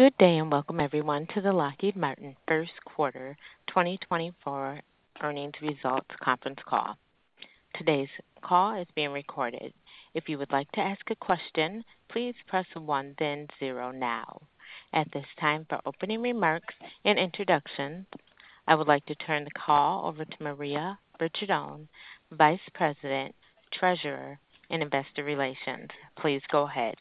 Good day, and welcome, everyone, to the Lockheed Martin First Quarter 2024 Earnings Results Conference Call. Today's call is being recorded. If you would like to ask a question, please press one, then zero now. At this time, for opening remarks and introductions, I would like to turn the call over to Maria Ricciardone, Vice President, Treasurer, and Investor Relations. Please go ahead.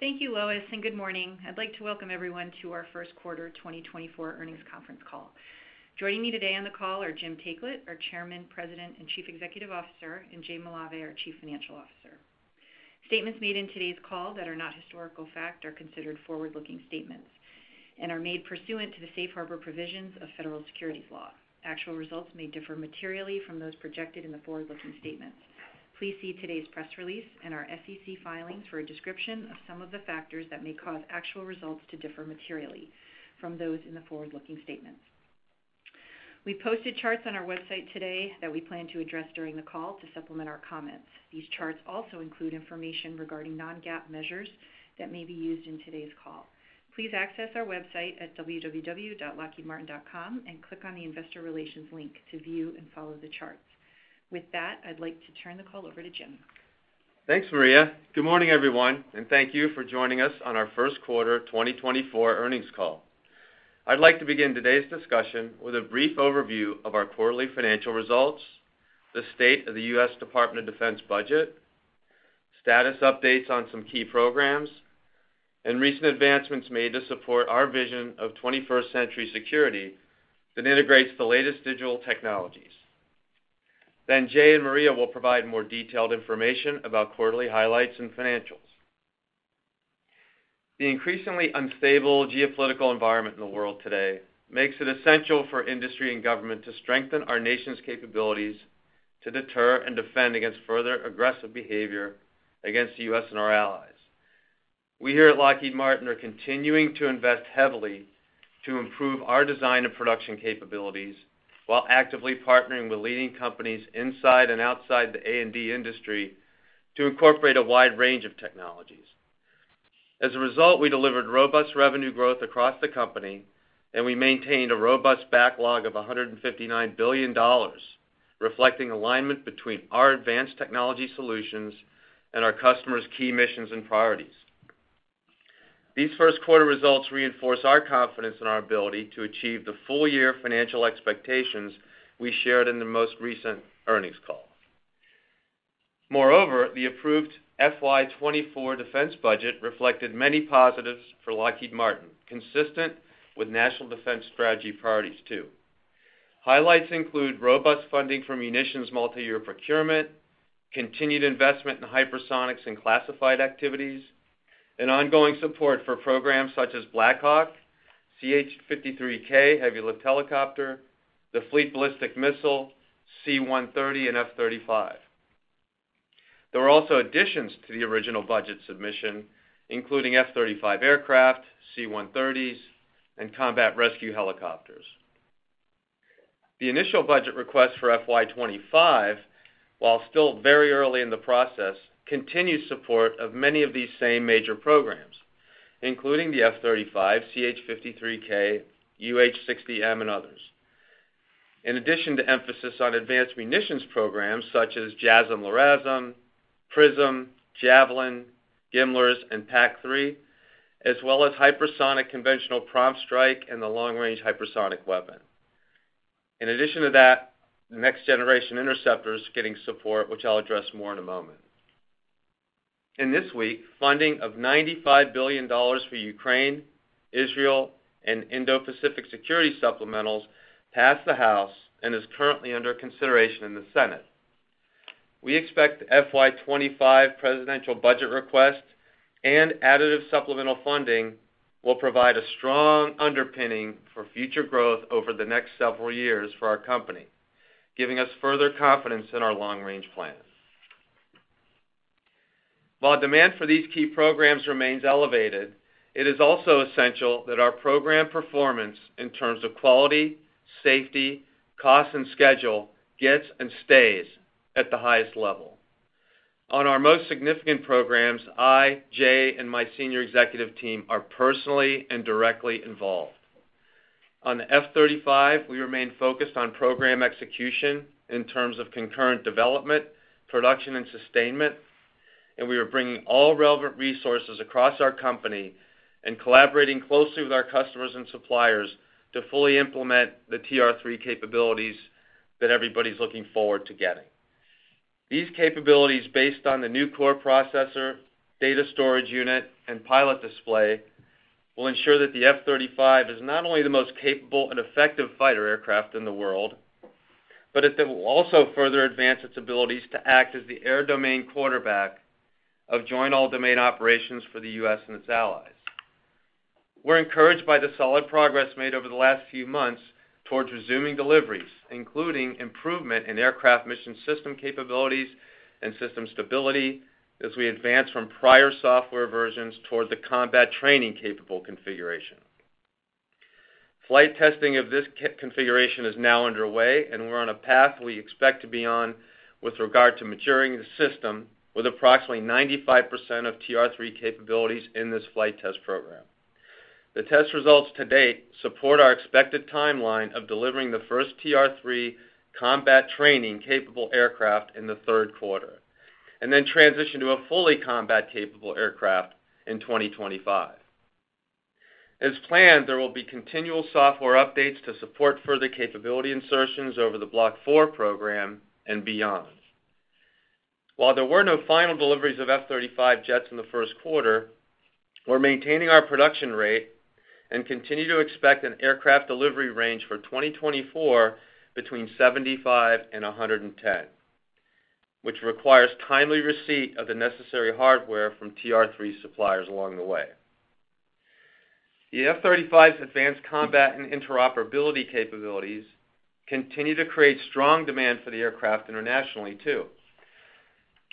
Thank you, Lois, and good morning. I'd like to welcome everyone to our first quarter 2024 Earnings Conference Call. Joining me today on the call are Jim Taiclet, our Chairman, President, and Chief Executive Officer, and Jay Malave, our Chief Financial Officer. Statements made in today's call that are not historical fact are considered forward-looking statements and are made pursuant to the safe harbor provisions of federal securities law. Actual results may differ materially from those projected in the forward-looking statements. Please see today's press release and our SEC filings for a description of some of the factors that may cause actual results to differ materially from those in the forward-looking statements. We posted charts on our website today that we plan to address during the call to supplement our comments. These charts also include information regarding non-GAAP measures that may be used in today's call. Please access our website at www.lockheedmartin.com and click on the Investor Relations link to view and follow the charts. With that, I'd like to turn the call over to Jim. Thanks, Maria. Good morning, everyone, and thank you for joining us on our first quarter 2024 earnings call. I'd like to begin today's discussion with a brief overview of our quarterly financial results, the state of the U.S. Department of Defense budget, status updates on some key programs, and recent advancements made to support our vision of 21st Century Security that integrates the latest digital technologies. Then Jay and Maria will provide more detailed information about quarterly highlights and financials. The increasingly unstable geopolitical environment in the world today makes it essential for industry and government to strengthen our nation's capabilities to deter and defend against further aggressive behavior against the U.S. and our allies. We here at Lockheed Martin are continuing to invest heavily to improve our design and production capabilities, while actively partnering with leading companies inside and outside the A&D industry to incorporate a wide range of technologies. As a result, we delivered robust revenue growth across the company, and we maintained a robust backlog of $159 billion, reflecting alignment between our advanced technology solutions and our customers' key missions and priorities. These first quarter results reinforce our confidence in our ability to achieve the full-year financial expectations we shared in the most recent earnings call. Moreover, the approved FY 2024 defense budget reflected many positives for Lockheed Martin, consistent with National Defense Strategy priorities, too. Highlights include robust funding for munitions multi-year procurement, continued investment in hypersonics and classified activities, and ongoing support for programs such as Black Hawk, CH-53K heavy-lift helicopter, the Fleet Ballistic Missile, C-130 and F-35. There were also additions to the original budget submission, including F-35 aircraft, C-130s, and combat rescue helicopters. The initial budget request for FY 2025, while still very early in the process, continues support of many of these same major programs, including the F-35, CH-53K, UH-60M, and others. In addition to emphasis on advanced munitions programs such as JASSM/LRASM, PrSM, Javelin, GMLRS, and PAC-3, as well as Hypersonic Conventional Prompt Strike and the Long Range Hypersonic Weapon. In addition to that, the Next Generation Interceptor is getting support, which I'll address more in a moment. This week, funding of $95 billion for Ukraine, Israel, and Indo-Pacific security supplementals passed the House and is currently under consideration in the Senate. We expect the FY 2025 presidential budget request and additive supplemental funding will provide a strong underpinning for future growth over the next several years for our company, giving us further confidence in our long-range plans. While demand for these key programs remains elevated, it is also essential that our program performance in terms of quality, safety, cost, and schedule gets and stays at the highest level. On our most significant programs, I, Jay, and my senior executive team are personally and directly involved. On the F-35, we remain focused on program execution in terms of concurrent development, production, and sustainment, and we are bringing all relevant resources across our company and collaborating closely with our customers and suppliers to fully implement the TR-3 capabilities that everybody's looking forward to getting. These capabilities, based on the new core processor, data storage unit, and pilot display, will ensure that the F-35 is not only the most capable and effective fighter aircraft in the world, but it will also further advance its abilities to act as the air domain quarterback of Joint All-Domain Operations for the U.S. and its allies. We're encouraged by the solid progress made over the last few months towards resuming deliveries, including improvement in aircraft mission system capabilities and system stability, as we advance from prior software versions towards the Combat Training Capable configuration. Flight testing of this configuration is now underway, and we're on a path we expect to be on with regard to maturing the system with approximately 95% of TR-3 capabilities in this flight test program. The test results to date support our expected timeline of delivering the first TR-3 combat training-capable aircraft in the third quarter, and then transition to a fully combat-capable aircraft in 2025. As planned, there will be continual software updates to support further capability insertions over the Block 4 program and beyond. While there were no final deliveries of F-35 jets in the first quarter, we're maintaining our production rate and continue to expect an aircraft delivery range for 2024 between 75 and 110, which requires timely receipt of the necessary hardware from TR-3 suppliers along the way. The F-35's advanced combat and interoperability capabilities continue to create strong demand for the aircraft internationally, too.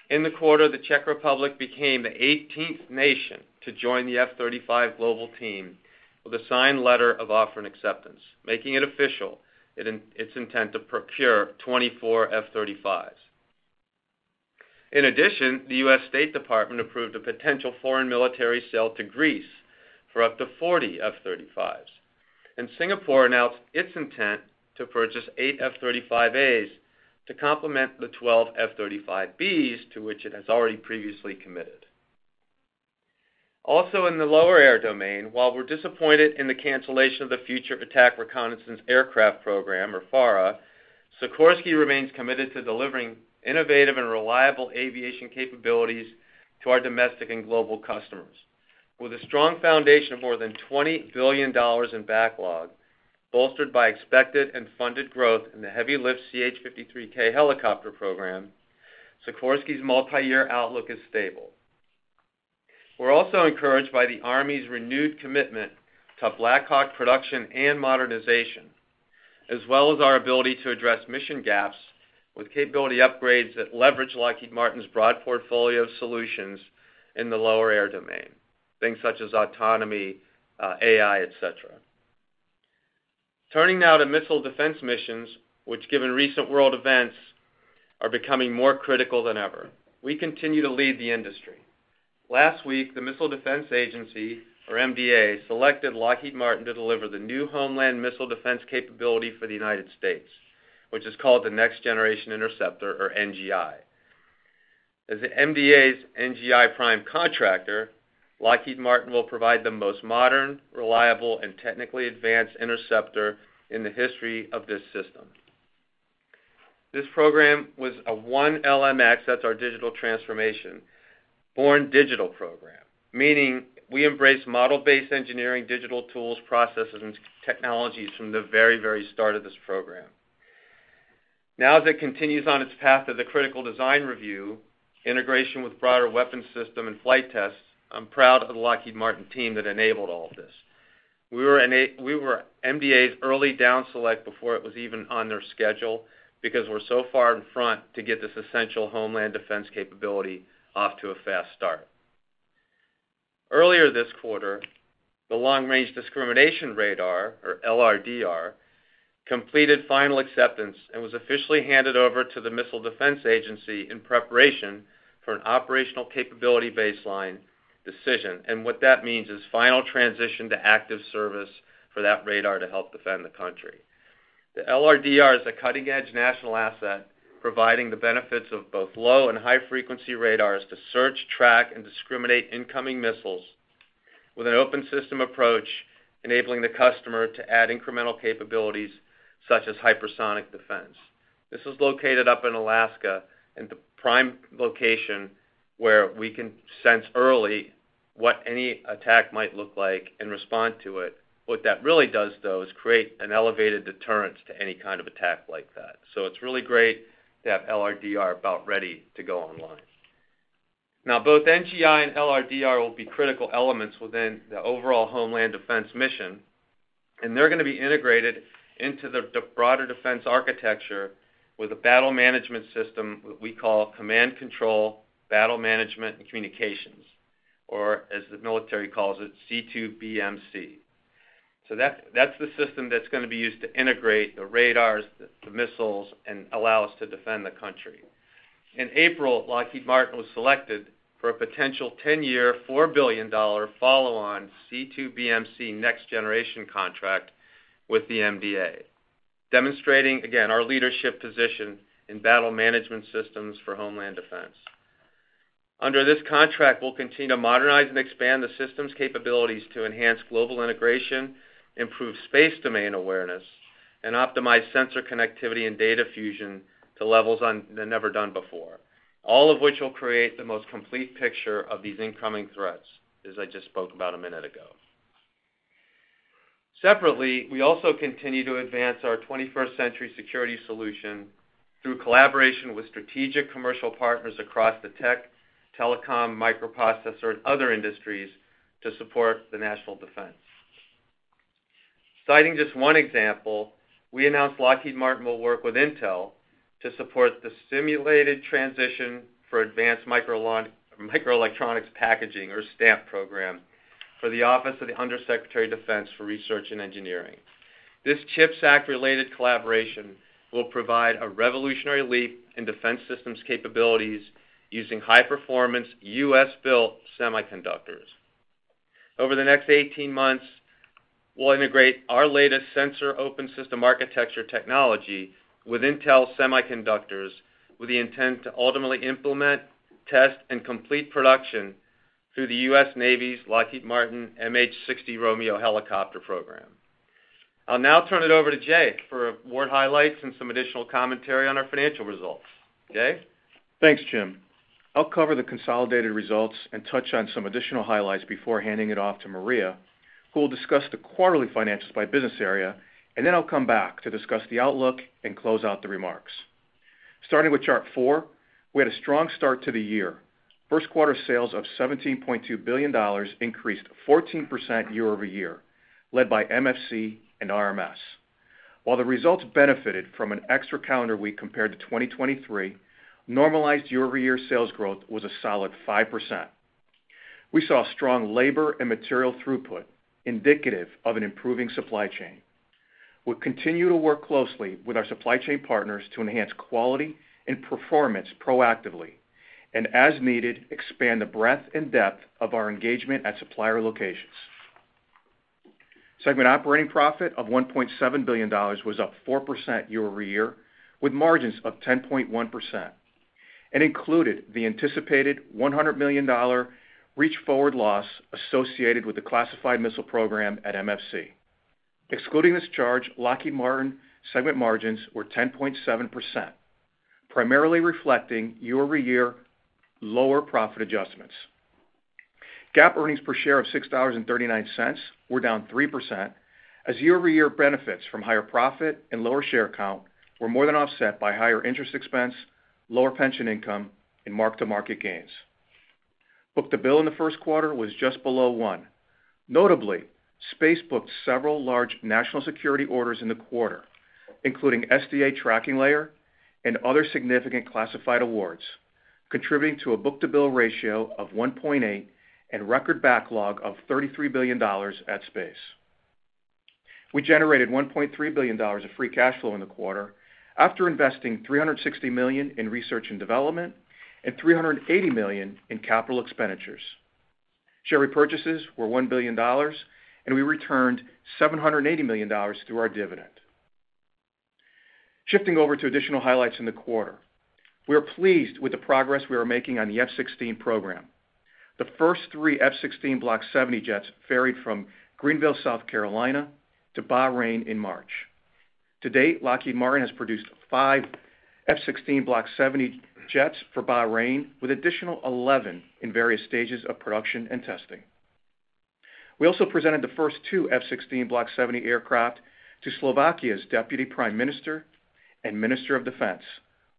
In the quarter, the Czech Republic became the 18th nation to join the F-35 global team with a signed letter of offer and acceptance, making it official, its intent to procure 24 F-35s. In addition, the U.S. Department of State approved a potential foreign military sale to Greece for up to 40 F-35s, and Singapore announced its intent to purchase eight F-35As to complement the 12 F-35Bs to which it has already previously committed. Also, in the lower air domain, while we're disappointed in the cancellation of the Future Attack Reconnaissance Aircraft program, or FARA, Sikorsky remains committed to delivering innovative and reliable aviation capabilities to our domestic and global customers. With a strong foundation of more than $20 billion in backlog, bolstered by expected and funded growth in the Heavy Lift CH-53K helicopter program, Sikorsky's multiyear outlook is stable. We're also encouraged by the Army's renewed commitment to Black Hawk production and modernization, as well as our ability to address mission gaps with capability upgrades that leverage Lockheed Martin's broad portfolio of solutions in the lower air domain, things such as autonomy, AI, et cetera. Turning now to missile defense missions, which, given recent world events, are becoming more critical than ever. We continue to lead the industry. Last week, the Missile Defense Agency, or MDA, selected Lockheed Martin to deliver the new homeland missile defense capability for the United States, which is called the Next-Generation Interceptor, or NGI. As the MDA's NGI prime contractor, Lockheed Martin will provide the most modern, reliable, and technically advanced interceptor in the history of this system. This program was a 1LMX, that's our digital transformation, born digital program, meaning we embrace model-based engineering, digital tools, processes, and technologies from the very, very start of this program. Now, as it continues on its path to the critical design review, integration with broader weapons system and flight tests, I'm proud of the Lockheed Martin team that enabled all of this. We were MDA's early down select before it was even on their schedule because we're so far in front to get this essential homeland defense capability off to a fast start. Earlier this quarter, the Long Range Discrimination Radar, or LRDR, completed final acceptance and was officially handed over to the Missile Defense Agency in preparation for an operational capability baseline decision. What that means is final transition to active service for that radar to help defend the country. The LRDR is a cutting-edge national asset, providing the benefits of both low and high-frequency radars to search, track, and discriminate incoming missiles with an open system approach, enabling the customer to add incremental capabilities such as hypersonic defense. This is located up in Alaska, in the prime location, where we can sense early what any attack might look like and respond to it. What that really does, though, is create an elevated deterrence to any kind of attack like that. It's really great to have LRDR about ready to go online. Now, both NGI and LRDR will be critical elements within the overall homeland defense mission, and they're going to be integrated into the broader defense architecture with a battle management system, what we call Command, Control, Battle Management, and Communications, or as the military calls it, C2BMC. So that, that's the system that's going to be used to integrate the radars, the missiles, and allow us to defend the country. In April, Lockheed Martin was selected for a potential 10-year, $4 billion follow-on C2BMC Next-Generation Contract with the MDA, demonstrating again our leadership position in battle management systems for homeland defense. Under this contract, we'll continue to modernize and expand the system's capabilities to enhance global integration, improve space domain awareness, and optimize sensor connectivity and data fusion to levels that have never been done before, all of which will create the most complete picture of these incoming threats, as I just spoke about a minute ago. Separately, we also continue to advance our 21st Century Security solution through collaboration with strategic commercial partners across the tech, telecom, microprocessor, and other industries to support the national defense. Citing just one example, we announced Lockheed Martin will work with Intel to support the Stimulating Transition for Advanced Microelectronics Packaging, or STAMP program, for the Office of the Undersecretary of Defense for Research and Engineering. This CHIPS Act-related collaboration will provide a revolutionary leap in defense systems capabilities using high-performance, U.S.-built semiconductors. Over the next 18 months, we'll integrate our latest sensor Open System Architecture technology with Intel semiconductors, with the intent to ultimately implement, test, and complete production through the U.S. Navy's Lockheed Martin MH-60R Romeo helicopter program. I'll now turn it over to Jay for award highlights and some additional commentary on our financial results. Jay? Thanks, Jim. I'll cover the consolidated results and touch on some additional highlights before handing it off to Maria, who will discuss the quarterly financials by business area, and then I'll come back to discuss the outlook and close out the remarks. Starting with Chart Four, we had a strong start to the year. First quarter sales of $17.2 billion increased 14% year over year, led by MFC and RMS. While the results benefited from an extra calendar week compared to 2023, normalized year-over-year sales growth was a solid 5%. We saw strong labor and material throughput, indicative of an improving supply chain. We'll continue to work closely with our supply chain partners to enhance quality and performance proactively, and as needed, expand the breadth and depth of our engagement at supplier locations. Segment operating profit of $1.7 billion was up 4% year-over-year, with margins of 10.1%, and included the anticipated $100 million reach forward loss associated with the classified missile program at MFC. Excluding this charge, Lockheed Martin segment margins were 10.7%, primarily reflecting year-over-year lower profit adjustments. GAAP earnings per share of $6.39 were down 3%, as year-over-year benefits from higher profit and lower share count were more than offset by higher interest expense, lower pension income, and mark-to-market gains. Book-to-bill in the first quarter was just below one. Notably, Space booked several large national security orders in the quarter, including SDA Tracking Layer and other significant classified awards, contributing to a book-to-bill ratio of 1.8 and record backlog of $33 billion at Space. We generated $1.3 billion of free cash flow in the quarter after investing $360 million in research and development and $380 million in capital expenditures. Share repurchases were $1 billion, and we returned $780 million through our dividend. Shifting over to additional highlights in the quarter. We are pleased with the progress we are making on the F-16 program. The first 3 F-16 Block 70 jets ferried from Greenville, South Carolina, to Bahrain in March. To date, Lockheed Martin has produced 5 F-16 Block 70 jets for Bahrain, with additional 11 in various stages of production and testing. We also presented the first 2 F-16 Block 70 aircraft to Slovakia's Deputy Prime Minister and Minister of Defense,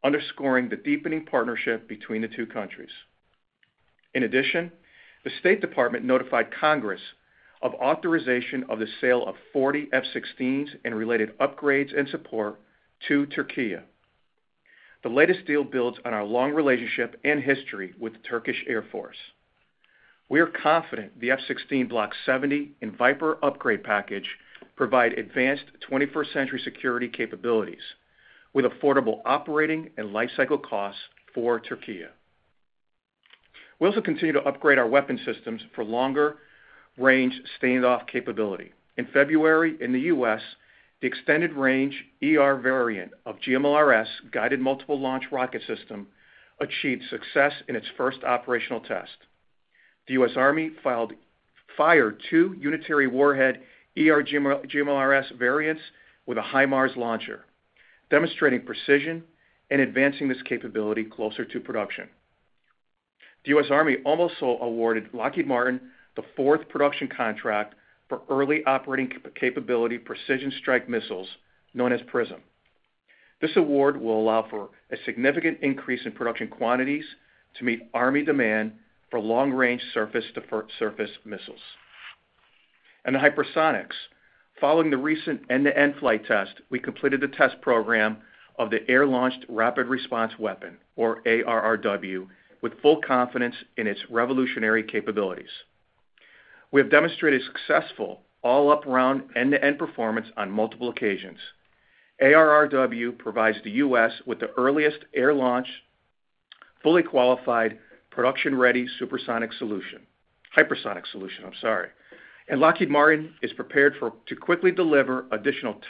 underscoring the deepening partnership between the two countries. In addition, the State Department notified Congress of authorization of the sale of 40 F-16s and related upgrades and support to Türkiye. The latest deal builds on our long relationship and history with the Turkish Air Force. We are confident the F-16 Block 70 and Viper upgrade package provide advanced twenty-first-century security capabilities, with affordable operating and lifecycle costs for Türkiye. We also continue to upgrade our weapon systems for longer range standoff capability. In February, in the U.S., the extended range ER variant of GMLRS, Guided Multiple Launch Rocket System, achieved success in its first operational test. The U.S. Army fired 2 unitary warhead ER GMLRS variants with a HIMARS launcher, demonstrating precision and advancing this capability closer to production. The U.S. Army also awarded Lockheed Martin the fourth production contract for early operating capability Precision Strike Missiles, known as PrSM. This award will allow for a significant increase in production quantities to meet Army demand for long-range surface-to-surface missiles. The hypersonics, following the recent end-to-end flight test, we completed the test program of the Air-Launched Rapid Response Weapon, or ARRW, with full confidence in its revolutionary capabilities. We have demonstrated successful all-up-round, end-to-end performance on multiple occasions. ARRW provides the U.S. with the earliest air launch, fully qualified, production-ready, supersonic solution—hypersonic solution, I'm sorry. Lockheed Martin is prepared to quickly deliver additional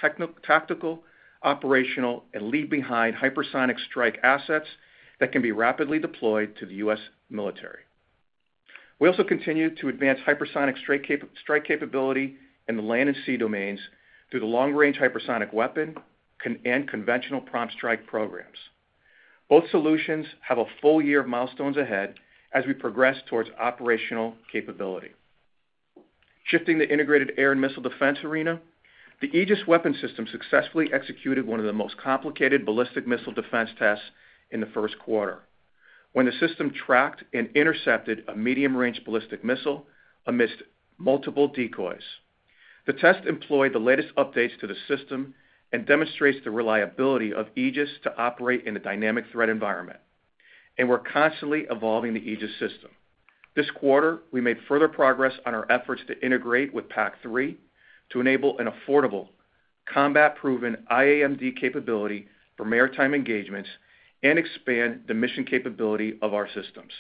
tactical, operational, and leave-behind hypersonic strike assets that can be rapidly deployed to the U.S. military. We also continue to advance hypersonic strike capability in the land and sea domains through the Long Range Hypersonic Weapon and Conventional Prompt Strike programs. Both solutions have a full year of milestones ahead as we progress towards operational capability. Shifting to integrated air and missile defense arena, the Aegis Weapon System successfully executed one of the most complicated ballistic missile defense tests in the first quarter, when the system tracked and intercepted a medium-range ballistic missile amidst multiple decoys. The test employed the latest updates to the system and demonstrates the reliability of Aegis to operate in a dynamic threat environment. We're constantly evolving the Aegis system. This quarter, we made further progress on our efforts to integrate with PAC-3 to enable an affordable, combat-proven IAMD capability for maritime engagements and expand the mission capability of our systems.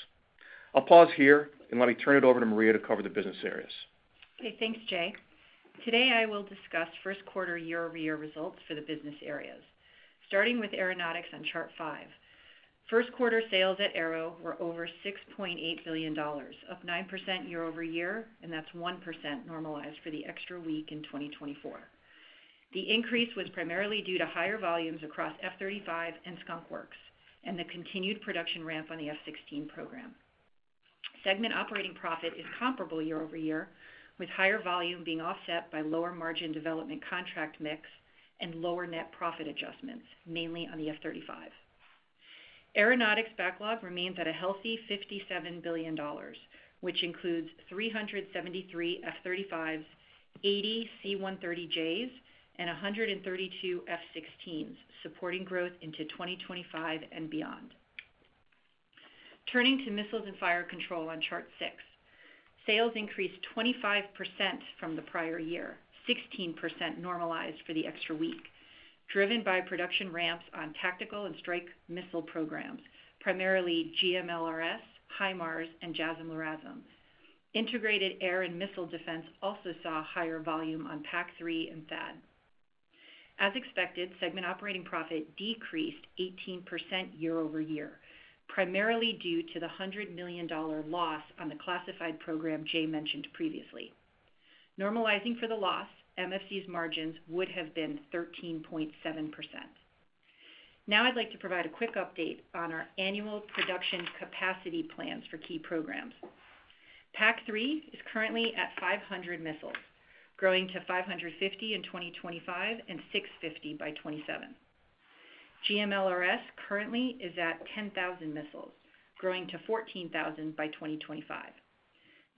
I'll pause here, and let me turn it over to Maria to cover the business areas. Okay, thanks, Jay. Today, I will discuss first quarter year-over-year results for the business areas. Starting with Aeronautics on Chart 5, first quarter sales at Aero were over $6.8 billion, up 9% year-over-year, and that's 1% normalized for the extra week in 2024. The increase was primarily due to higher volumes across F-35 and Skunk Works, and the continued production ramp on the F-16 program. Segment operating profit is comparable year-over-year, with higher volume being offset by lower margin development contract mix and lower net profit adjustments, mainly on the F-35. Aeronautics backlog remains at a healthy $57 billion, which includes 373 F-35s, 80 C-130Js, and 132 F-16s, supporting growth into 2025 and beyond. Turning to Missiles and Fire Control on Chart six, sales increased 25% from the prior year, 16% normalized for the extra week, driven by production ramps on tactical and strike missile programs, primarily GMLRS, HIMARS, and JASSM, LRASM. Integrated Air and Missile Defense also saw higher volume on PAC-3 and THAAD. As expected, segment operating profit decreased 18% year-over-year, primarily due to the $100 million loss on the classified program Jay mentioned previously. Normalizing for the loss, MFC's margins would have been 13.7%. Now I'd like to provide a quick update on our annual production capacity plans for key programs. PAC-3 is currently at 500 missiles, growing to 550 in 2025, and 650 by 2027. GMLRS currently is at 10,000 missiles, growing to 14,000 by 2025.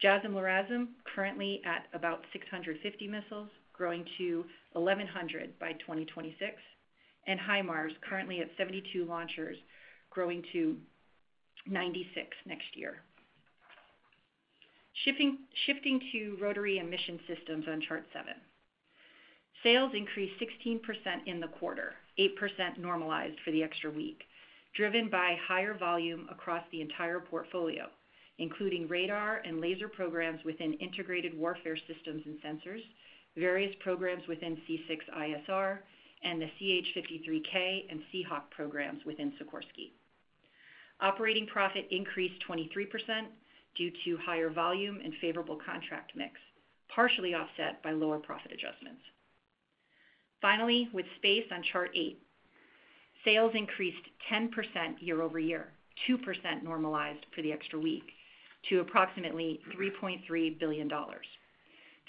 JASSM, LRASM, currently at about 650 missiles, growing to 1,100 by 2026, and HIMARS, currently at 72 launchers, growing to 96 next year. Shifting to Rotary and Mission Systems on Chart 7. Sales increased 16% in the quarter, 8% normalized for the extra week, driven by higher volume across the entire portfolio, including radar and laser programs within Integrated Warfare Systems and Sensors, various programs within C6ISR, and the CH-53K and Seahawk programs within Sikorsky. Operating profit increased 23% due to higher volume and favorable contract mix, partially offset by lower profit adjustments. Finally, with Space on Chart 8, sales increased 10% year-over-year, 2% normalized for the extra week, to approximately $3.3 billion.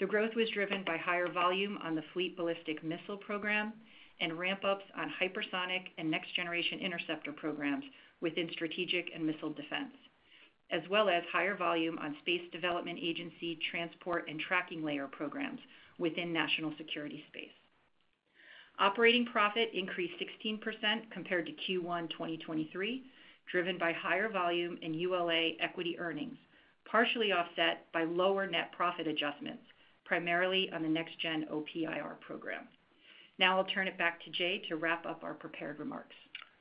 The growth was driven by higher volume on the fleet ballistic missile program and ramp-ups on hypersonic and Next-Generation Interceptor programs within Strategic and Missile Defense, as well as higher volume on Space Development Agency, Transport and Tracking Layer programs within National Security Space. Operating profit increased 16% compared to Q1 2023, driven by higher volume in ULA equity earnings, partially offset by lower net profit adjustments, primarily on the Next Gen OPIR program. Now I'll turn it back to Jay to wrap up our prepared remarks.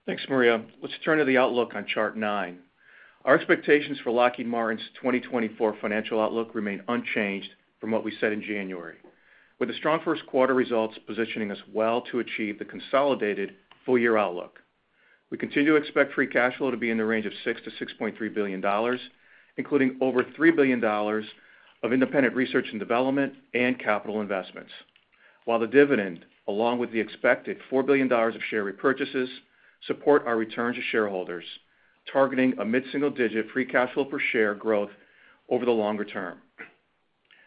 Thanks, Maria. Let's turn to the outlook on Chart 9. Our expectations for Lockheed Martin's 2024 financial outlook remain unchanged from what we said in January, with the strong first quarter results positioning us well to achieve the consolidated full-year outlook. We continue to expect free cash flow to be in the range of $6 billion-$6.3 billion, including over $3 billion of independent research and development and capital investments. While the dividend, along with the expected $4 billion of share repurchases, support our return to shareholders, targeting a mid-single digit free cash flow per share growth over the longer term.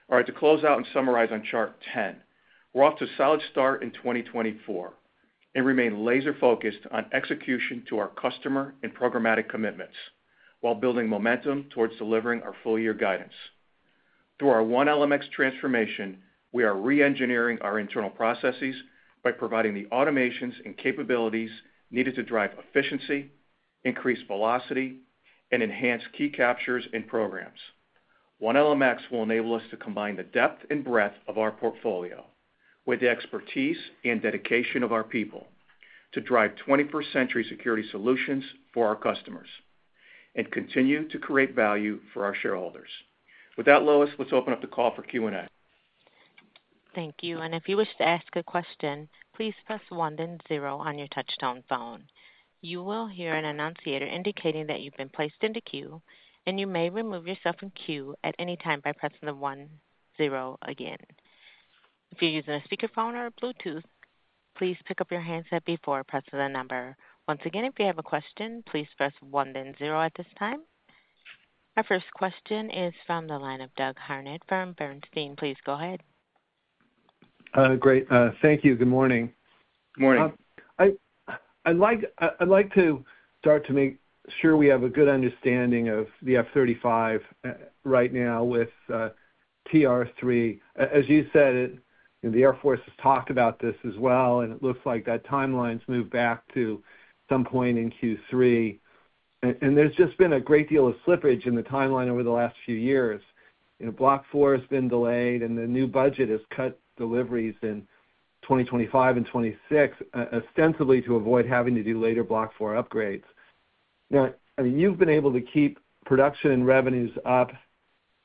All right, to close out and summarize on Chart 10, we're off to a solid start in 2024 and remain laser-focused on execution to our customer and programmatic commitments while building momentum towards delivering our full-year guidance. Through our 1LMX transformation, we are re-engineering our internal processes by providing the automations and capabilities needed to drive efficiency, increase velocity, and enhance key captures in programs. 1LMX will enable us to combine the depth and breadth of our portfolio with the expertise and dedication of our people to drive Twenty-First Century Security solutions for our customers and continue to create value for our shareholders. With that, Lois, let's open up the call for Q&A. Thank you. If you wish to ask a question, please press one then zero on your touchtone phone. You will hear an annunciator indicating that you've been placed in the queue, and you may remove yourself from queue at any time by pressing the one, zero again. If you're using a speakerphone or a Bluetooth, please pick up your handset before pressing the number. Once again, if you have a question, please press one, then zero at this time. Our first question is from the line of Doug Harned from Bernstein. Please go ahead.... Great. Thank you. Good morning. Good morning. I'd like to start to make sure we have a good understanding of the F-35 right now with TR-3. As you said it, and the Air Force has talked about this as well, and it looks like that timeline's moved back to some point in Q3. There's just been a great deal of slippage in the timeline over the last few years. You know, Block 4 has been delayed, and the new budget has cut deliveries in 2025 and 2026, ostensibly, to avoid having to do later Block 4 upgrades. Now, I mean, you've been able to keep production and revenues up,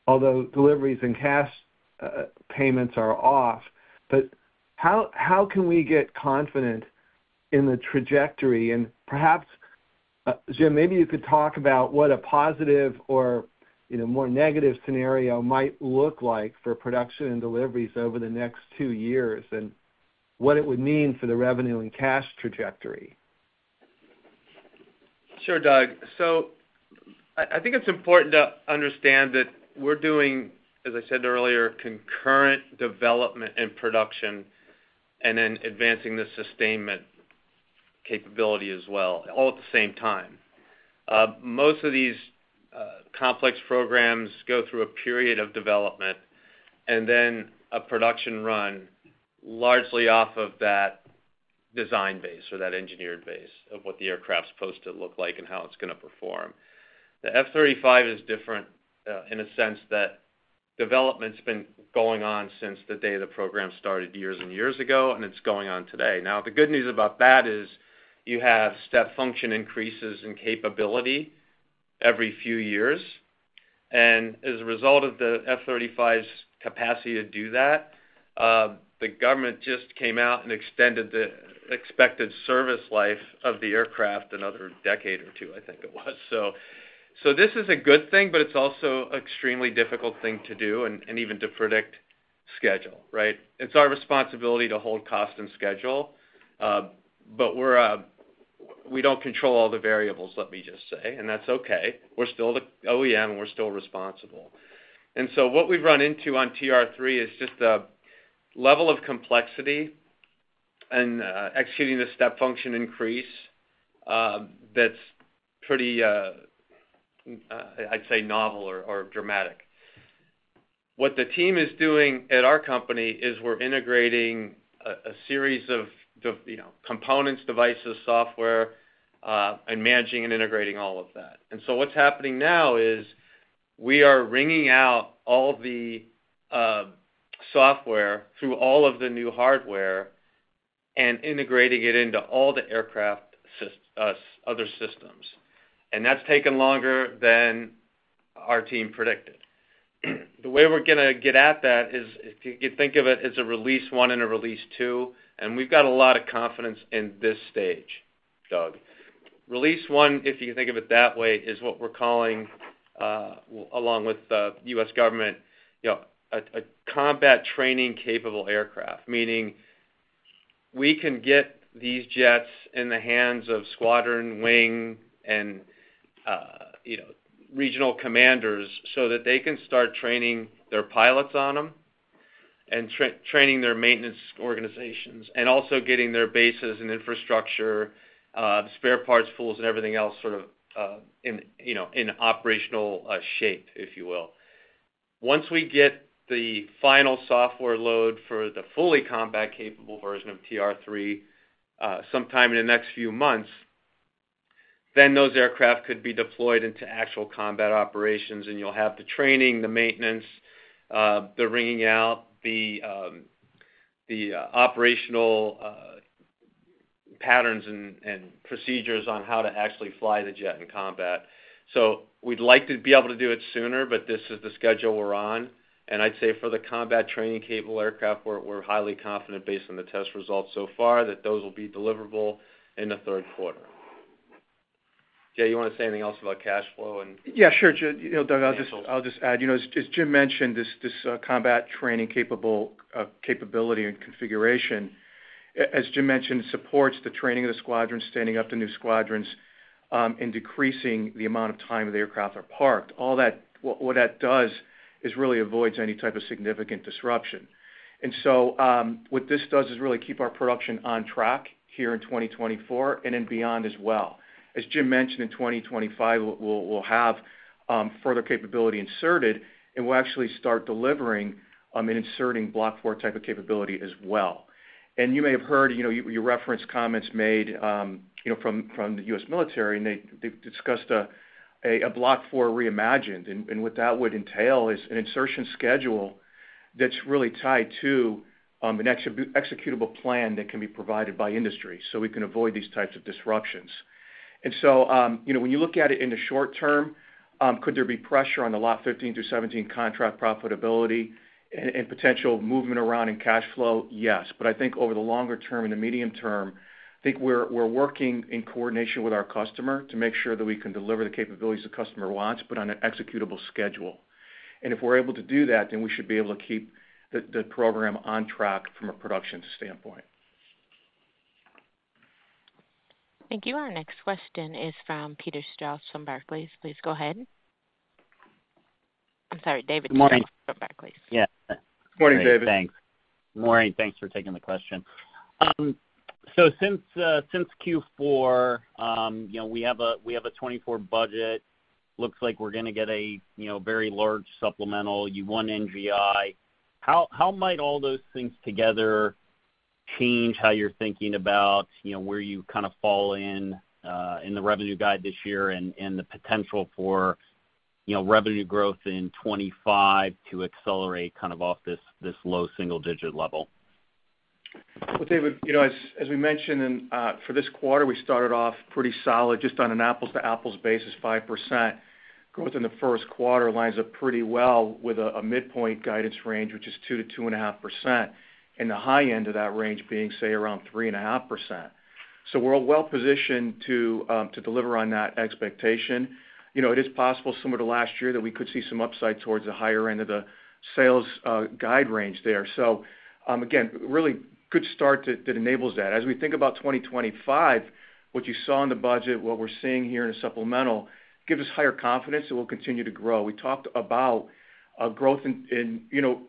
although deliveries and cash payments are off. But how can we get confident in the trajectory? Perhaps, Jim, maybe you could talk about what a positive or, you know, more negative scenario might look like for production and deliveries over the next two years, and what it would mean for the revenue and cash trajectory. Sure, Doug. So I think it's important to understand that we're doing, as I said earlier, concurrent development and production, and then advancing the sustainment capability as well, all at the same time. Most of these complex programs go through a period of development, and then a production run, largely off of that design base or that engineered base of what the aircraft's supposed to look like and how it's gonna perform. The F-35 is different, in a sense that development's been going on since the day the program started, years and years ago, and it's going on today. Now, the good news about that is you have step function increases in capability every few years, and as a result of the F-35's capacity to do that, the government just came out and extended the expected service life of the aircraft another decade or two, I think it was. So, this is a good thing, but it's also extremely difficult thing to do and even to predict schedule, right? It's our responsibility to hold cost and schedule, but we're, we don't control all the variables, let me just say, and that's okay. We're still the OEM, and we're still responsible. And so what we've run into on TR-3 is just a level of complexity and executing the step function increase, that's pretty, I'd say, novel or dramatic. What the team is doing at our company is we're integrating a series of the, you know, components, devices, software, and managing and integrating all of that. So what's happening now is we are wringing out all the software through all of the new hardware and integrating it into all the aircraft other systems, and that's taken longer than our team predicted. The way we're gonna get at that is if you could think of it as a release one and a release two, and we've got a lot of confidence in this stage, Doug. Release 1, if you can think of it that way, is what we're calling, along with the U.S. government, you know, a combat training capable aircraft, meaning we can get these jets in the hands of squadron, wing, and, you know, regional commanders so that they can start training their pilots on them, and training their maintenance organizations, and also getting their bases and infrastructure, spare parts, pools, and everything else sort of, in, you know, in operational shape, if you will. Once we get the final software load for the fully combat-capable version of TR-3, sometime in the next few months, then those aircraft could be deployed into actual combat operations, and you'll have the training, the maintenance, the wringing out, the operational patterns and procedures on how to actually fly the jet in combat. So we'd like to be able to do it sooner, but this is the schedule we're on, and I'd say for the combat training-capable aircraft, we're highly confident, based on the test results so far, that those will be deliverable in the third quarter. Jay, you want to say anything else about cash flow and- Yeah, sure, Jim. You know, Doug, I'll just-... Yeah. I'll just add, you know, as Jim mentioned, this combat training capable capability and configuration, as Jim mentioned, supports the training of the squadrons, standing up the new squadrons, and decreasing the amount of time the aircraft are parked. All that, what that does is really avoids any type of significant disruption. And so, what this does is really keep our production on track here in 2024 and then beyond as well. As Jim mentioned, in 2025, we'll have further capability inserted, and we'll actually start delivering and inserting Block 4 type of capability as well. And you may have heard, you know, you referenced comments made, you know, from the U.S. military, and they, they've discussed a Block 4 reimagined. What that would entail is an insertion schedule that's really tied to an executable plan that can be provided by industry, so we can avoid these types of disruptions. And so, you know, when you look at it in the short term, could there be pressure on the Lot 15 through 17 contract profitability and potential movement around in cash flow? Yes. But I think over the longer term and the medium term, I think we're working in coordination with our customer to make sure that we can deliver the capabilities the customer wants, but on an executable schedule. And if we're able to do that, then we should be able to keep the program on track from a production standpoint. Thank you. Our next question is from David Strauss from Barclays. Please go ahead. I'm sorry, David Strauss from Barclays. Yeah. Morning, David. Thanks. Morning, thanks for taking the question. So since, since Q4, you know, we have a, we have a 2024 budget. Looks like we're going to get a, you know, very large supplemental. You won NGI. How, how might all those things together change how you're thinking about, you know, where you kind of fall in, in the revenue guide this year and, and the potential for, you know, revenue growth in 2025 to accelerate kind of off this, this low single digit level? Well, David, you know, as, as we mentioned in for this quarter, we started off pretty solid, just on an apples to apples basis, 5% growth in the first quarter lines up pretty well with a midpoint guidance range, which is 2%-2.5%, and the high end of that range being, say, around 3.5%. So we're well positioned to to deliver on that expectation. You know, it is possible, similar to last year, that we could see some upside towards the higher end of the sales guide range there. So, again, really good start that that enables that. As we think about 2025, what you saw in the budget, what we're seeing here in a supplemental, gives us higher confidence that we'll continue to grow. We talked about growth in, you know,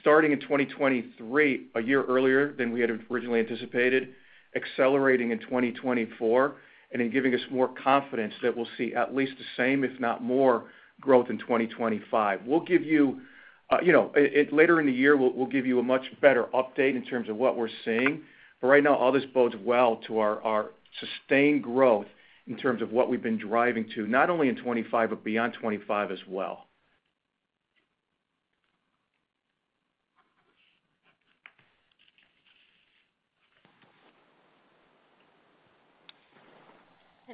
starting in 2023, a year earlier than we had originally anticipated, accelerating in 2024, and then giving us more confidence that we'll see at least the same, if not more, growth in 2025. We'll give you, you know, later in the year, we'll give you a much better update in terms of what we're seeing. But right now, all this bodes well to our sustained growth in terms of what we've been driving to, not only in 2025, but beyond 2025 as well.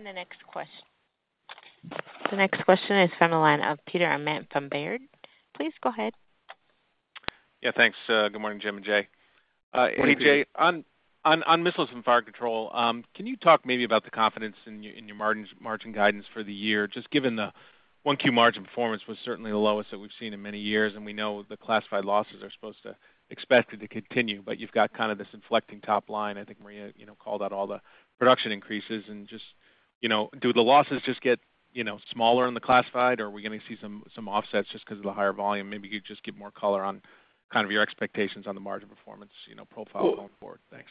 The next question is from the line of Peter Arment from Baird. Please go ahead. Yeah, thanks. Good morning, Jim and Jay. Good morning, Peter. Jay, on missiles and fire control, can you talk maybe about the confidence in your margin guidance for the year, just given the 1Q margin performance was certainly the lowest that we've seen in many years, and we know the classified losses are supposed to expected to continue, but you've got kind of this inflecting top line. I think Maria, you know, called out all the production increases. And just, you know, do the losses just get, you know, smaller in the classified, or are we going to see some offsets just because of the higher volume? Maybe you just give more color on kind of your expectations on the margin performance, you know, profile going forward. Thanks.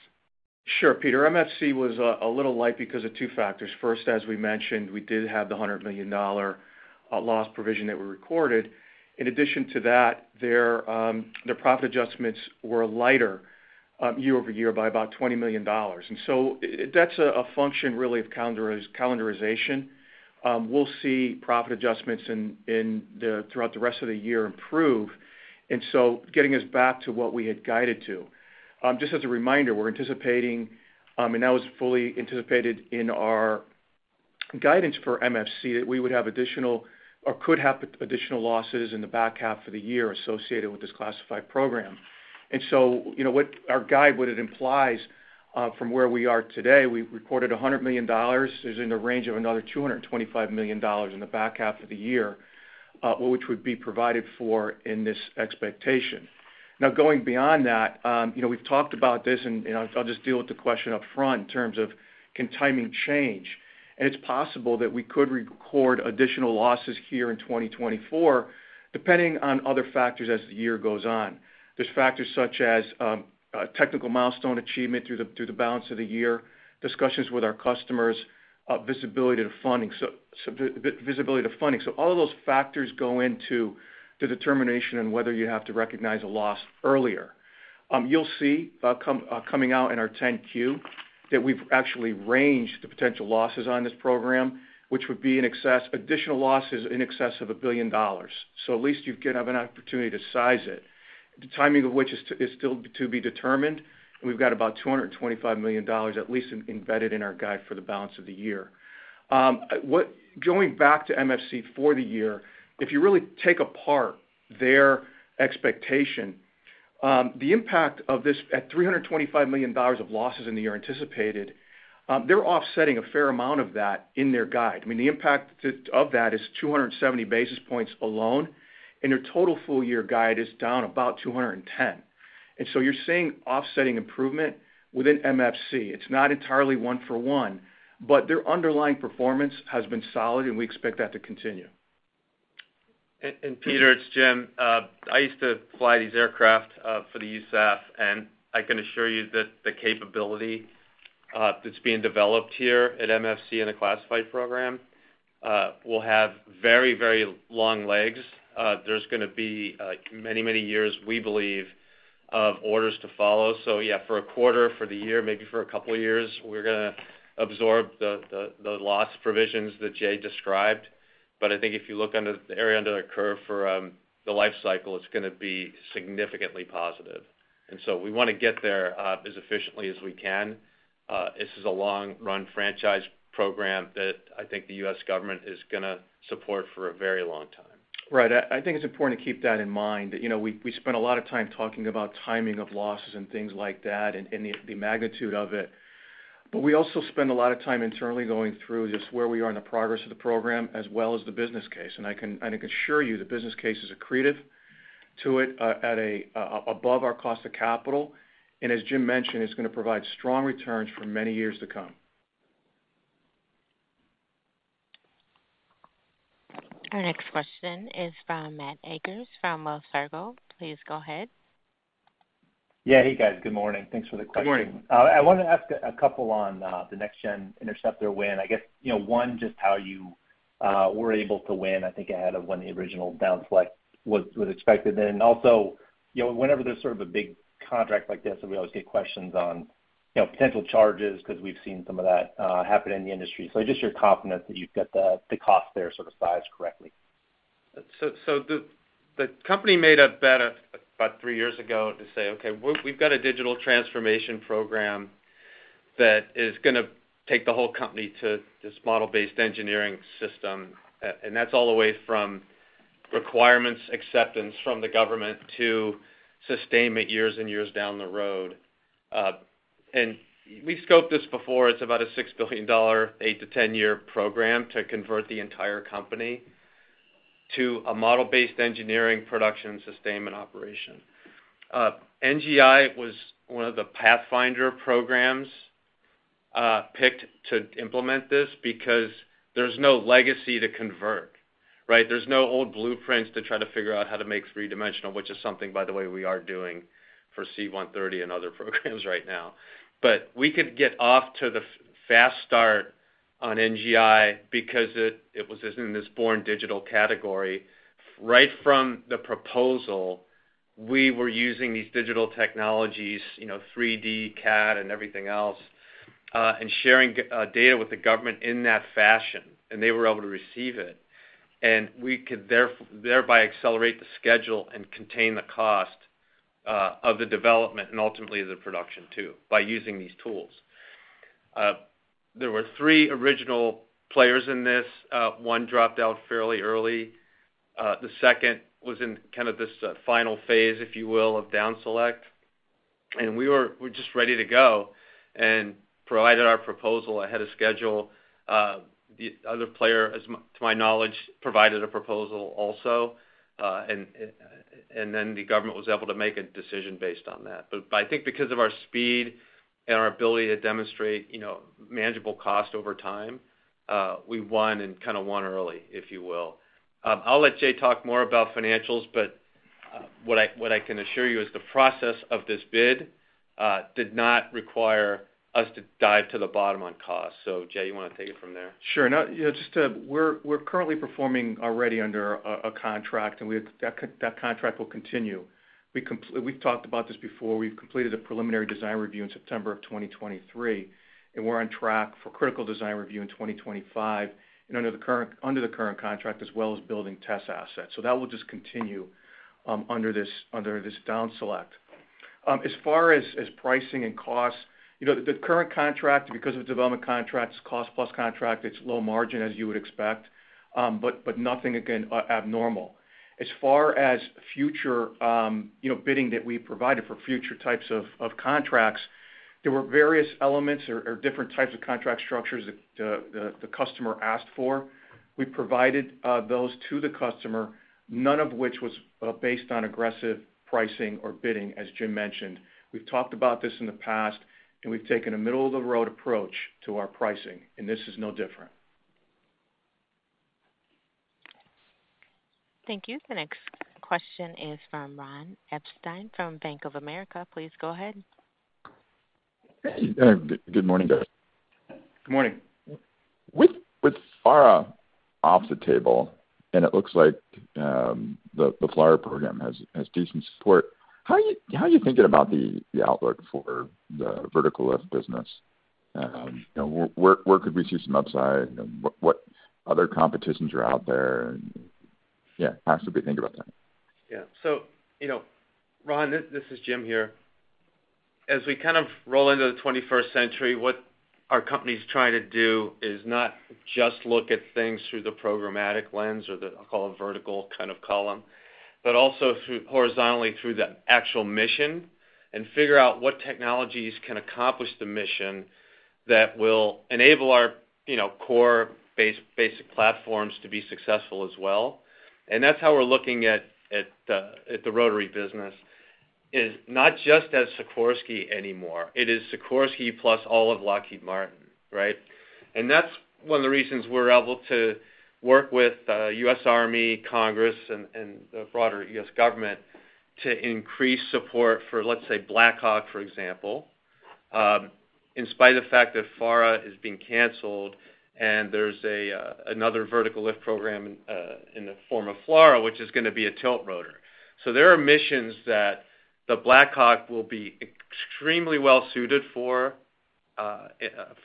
Sure, Peter. MFC was a little light because of two factors. First, as we mentioned, we did have the $100 million loss provision that we recorded. In addition to that, their profit adjustments were lighter year-over-year by about $20 million. And so that's a function really of calendarization. We'll see profit adjustments throughout the rest of the year improve, and so getting us back to what we had guided to. Just as a reminder, we're anticipating, and that was fully anticipated in our guidance for MFC, that we would have additional or could have additional losses in the back half of the year associated with this classified program. And so, you know, what our guide, what it implies, from where we are today, we've recorded $100 million, is in the range of another $225 million in the back half of the year, which would be provided for in this expectation. Now, going beyond that, you know, we've talked about this, and, you know, I'll just deal with the question upfront in terms of can timing change? And it's possible that we could record additional losses here in 2024, depending on other factors as the year goes on. There's factors such as technical milestone achievement through the balance of the year, discussions with our customers, visibility to funding, so visibility to funding. So all of those factors go into the determination on whether you have to recognize a loss earlier. You'll see coming out in our 10-Q, that we've actually ranged the potential losses on this program, which would be in excess additional losses in excess of $1 billion. So at least you're going to have an opportunity to size it, the timing of which is still to be determined, and we've got about $225 million at least embedded in our guide for the balance of the year. What going back to MFC for the year, if you really take apart their expectation, the impact of this at $325 million of losses in the year anticipated, they're offsetting a fair amount of that in their guide. I mean, the impact of that is 270 basis points alone, and their total full year guide is down about 210. And so you're seeing offsetting improvement within MFC. It's not entirely one for one, but their underlying performance has been solid, and we expect that to continue. Peter, it's Jim. I used to fly these aircraft for the USAF, and I can assure you that the capability that's being developed here at MFC in a classified program will have very, very long legs. There's gonna be many, many years, we believe, of orders to follow. So yeah, for a quarter, for the year, maybe for a couple of years, we're gonna absorb the loss provisions that Jay described. But I think if you look under the area under the curve for the life cycle, it's gonna be significantly positive. And so we want to get there as efficiently as we can. This is a long-run franchise program that I think the U.S. government is gonna support for a very long time. Right. I think it's important to keep that in mind. You know, we spent a lot of time talking about timing of losses and things like that and the magnitude of it. But we also spend a lot of time internally going through just where we are in the progress of the program, as well as the business case. And I can assure you, the business case is accretive.... to it, at above our cost of capital. And as Jim mentioned, it's going to provide strong returns for many years to come. Our next question is from Matt Akers, from Wells Fargo. Please go ahead. Yeah. Hey, guys. Good morning. Thanks for the question. Good morning. I wanted to ask a couple on the Next-Gen Interceptor win. I guess, you know, one, just how you were able to win, I think, ahead of when the original down select was expected. And then also, you know, whenever there's sort of a big contract like this, and we always get questions on, you know, potential charges, 'cause we've seen some of that happen in the industry. So just you're confident that you've got the cost there sort of sized correctly? The company made a bet about 3 years ago to say, "Okay, we've got a digital transformation program that is gonna take the whole company to this model-based engineering system." And that's all the way from requirements, acceptance from the government to sustain it years and years down the road. And we've scoped this before. It's about a $6 billion, 8-10-year program to convert the entire company to a model-based engineering, production, sustainment, operation. NGI was one of the pathfinder programs picked to implement this because there's no legacy to convert, right? There's no old blueprints to try to figure out how to make three-dimensional, which is something, by the way, we are doing for C-130 and other programs right now. But we could get off to the fast start on NGI because it, it was in this born digital category. Right from the proposal, we were using these digital technologies, you know, 3D, CAD, and everything else, and sharing data with the government in that fashion, and they were able to receive it. And we could thereby accelerate the schedule and contain the cost, of the development and ultimately the production, too, by using these tools. There were three original players in this. One dropped out fairly early. The second was in kind of this, final phase, if you will, of down select. And we're just ready to go and provided our proposal ahead of schedule. The other player, to my knowledge, provided a proposal also, and then the government was able to make a decision based on that. But I think because of our speed and our ability to demonstrate, you know, manageable cost over time, we won and kind of won early, if you will. I'll let Jay talk more about financials, but what I can assure you is the process of this bid did not require us to dive to the bottom on cost. So, Jay, you want to take it from there? Sure. No, you know, just to... We're currently performing already under a contract, and we have-- that contract will continue. We've talked about this before. We've completed a preliminary design review in September of 2023, and we're on track for Critical Design Review in 2025, and under the current contract, as well as building test assets. So that will just continue under this down-select. As far as pricing and costs, you know, the current contract, because it's development contracts, cost-plus contract, it's low margin, as you would expect, but nothing, again, abnormal. As far as future, you know, bidding that we provided for future types of contracts, there were various elements or different types of contract structures that the customer asked for. We provided those to the customer, none of which was based on aggressive pricing or bidding, as Jim mentioned. We've talked about this in the past, and we've taken a middle-of-the-road approach to our pricing, and this is no different. Thank you. The next question is from Ron Epstein from Bank of America. Please go ahead. Hey, good morning, guys. Good morning. With FARA off the table, and it looks like the FLRAA program has decent support, how are you thinking about the outlook for the vertical lift business? You know, where could we see some upside, and what other competitions are out there? And, yeah, how should we think about that? Yeah. So, you know, Ron, this, this is Jim here. As we kind of roll into the 21st century, what our company's trying to do is not just look at things through the programmatic lens or the, I'll call it, vertical kind of column, but also through horizontally through the actual mission, and figure out what technologies can accomplish the mission that will enable our, you know, core base-basic platforms to be successful as well. And that's how we're looking at, at the, at the rotary business, is not just as Sikorsky anymore, it is Sikorsky plus all of Lockheed Martin, right? That's one of the reasons we're able to work with U.S. Army, U.S. Congress, and the broader U.S. government to increase support for, let's say, Black Hawk, for example, in spite of the fact that FARA is being canceled and there's another vertical lift program in the form of FLRAA, which is going to be a tilt rotor. So there are missions that the Black Hawk will be extremely well suited for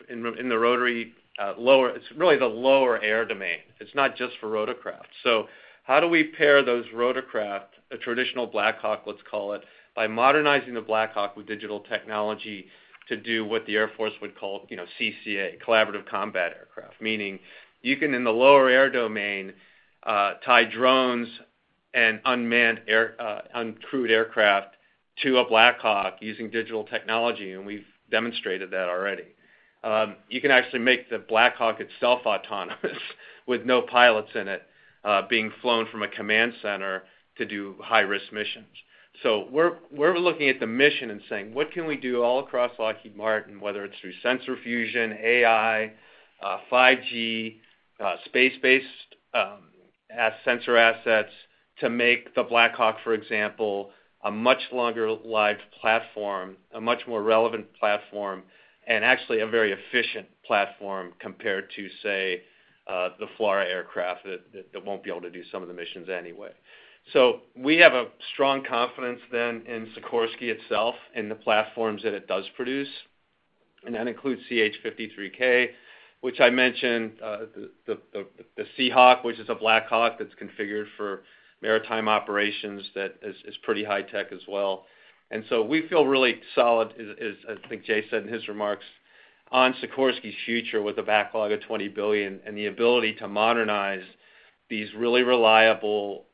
in the rotary lower air domain. It's really the lower air domain. It's not just for rotorcraft. So how do we pair those rotorcraft, a traditional Black Hawk, let's call it, by modernizing the Black Hawk with digital technology to do what the Air Force would call, you know, CCA, Collaborative Combat Aircraft. Meaning, you can, in the lower air domain, tie drones and unmanned air, uncrewed aircraft to a Black Hawk using digital technology, and we've demonstrated that already. You can actually make the Black Hawk itself autonomous, with no pilots in it, being flown from a command center to do high-risk missions. So we're looking at the mission and saying, "What can we do all across Lockheed Martin, whether it's through sensor fusion, AI, 5G, space-based sensor assets, to make the Black Hawk, for example, a much longer-lived platform, a much more relevant platform, and actually a very efficient platform compared to, say, the FLRAA aircraft that won't be able to do some of the missions anyway? So we have a strong confidence then in Sikorsky itself, and the platforms that it does produce, and that includes CH-53K, which I mentioned, the Seahawk, which is a Black Hawk that's configured for maritime operations that is pretty high tech as well. And so we feel really solid, as I think Jay said in his remarks, on Sikorsky's future with a backlog of $20 billion, and the ability to modernize these really reliable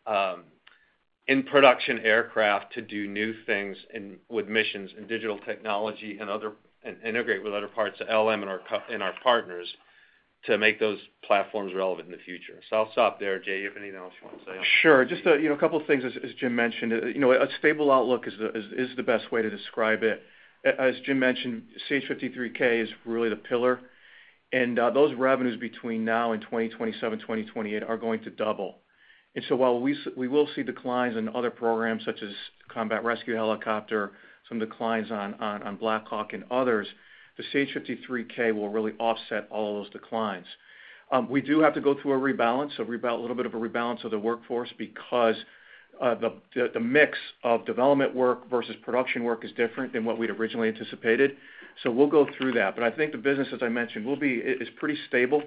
in production aircraft to do new things in with missions and digital technology and other and integrate with other parts of LM and our company and our partners, to make those platforms relevant in the future. So I'll stop there. Jay, you have anything else you want to say? Sure. Just you know, couple of things, as Jim mentioned. You know, a stable outlook is the best way to describe it. As Jim mentioned, CH-53K is really the pillar, and, those revenues between now and 2027, 2028 are going to double. And so while we will see declines in other programs, such as Combat Rescue Helicopter, some declines on Black Hawk and others, the CH-53K will really offset all of those declines. We do have to go through a rebalance, a little bit of a rebalance of the workforce because, the mix of development work versus production work is different than what we'd originally anticipated, so we'll go through that. But I think the business, as I mentioned, it is pretty stable.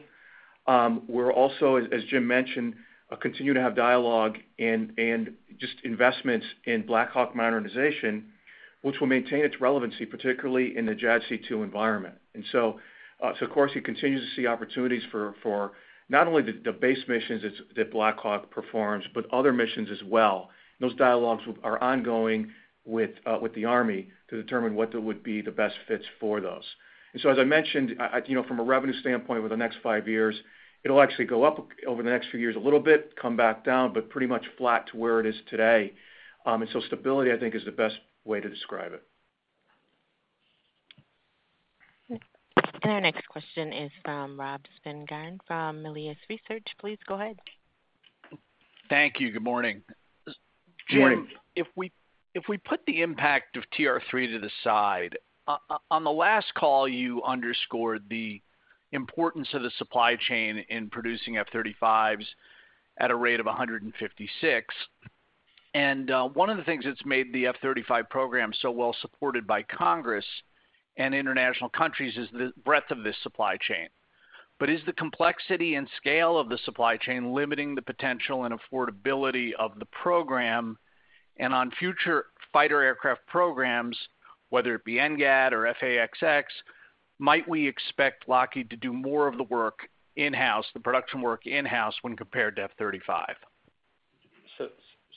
We're also, as, as Jim mentioned, continue to have dialogue and, and just investments in Black Hawk modernization, which will maintain its relevancy, particularly in the JADC2 environment. And so, so of course, we continue to see opportunities for, for not only the, the base missions that, that Black Hawk performs, but other missions as well. Those dialogues with- are ongoing with, with the Army to determine what would be the best fits for those. And so, as I mentioned, you know, from a revenue standpoint, over the next 5 years, it'll actually go up over the next few years, a little bit, come back down, but pretty much flat to where it is today. And so stability, I think, is the best way to describe it. Our next question is from Rob Spingarn, from Melius Research. Please go ahead. Thank you. Good morning. Good morning. Jim, if we put the impact of TR-3 to the side, on the last call, you underscored the importance of the supply chain in producing F-35s at a rate of 156. And one of the things that's made the F-35 program so well supported by Congress and international countries is the breadth of this supply chain. But is the complexity and scale of the supply chain limiting the potential and affordability of the program? And on future fighter aircraft programs, whether it be NGAD or F/A-XX, might we expect Lockheed to do more of the work in-house, the production work in-house, when compared to F-35?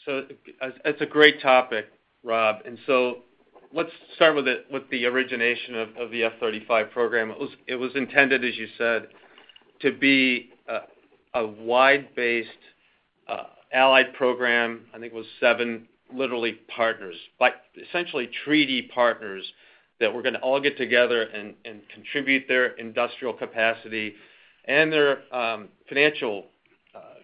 So it's a great topic, Rob, and so let's start with the origination of the F-35 program. It was intended, as you said, to be a wide-based allied program. I think it was seven literally partners, but essentially treaty partners, that were gonna all get together and contribute their industrial capacity and their financial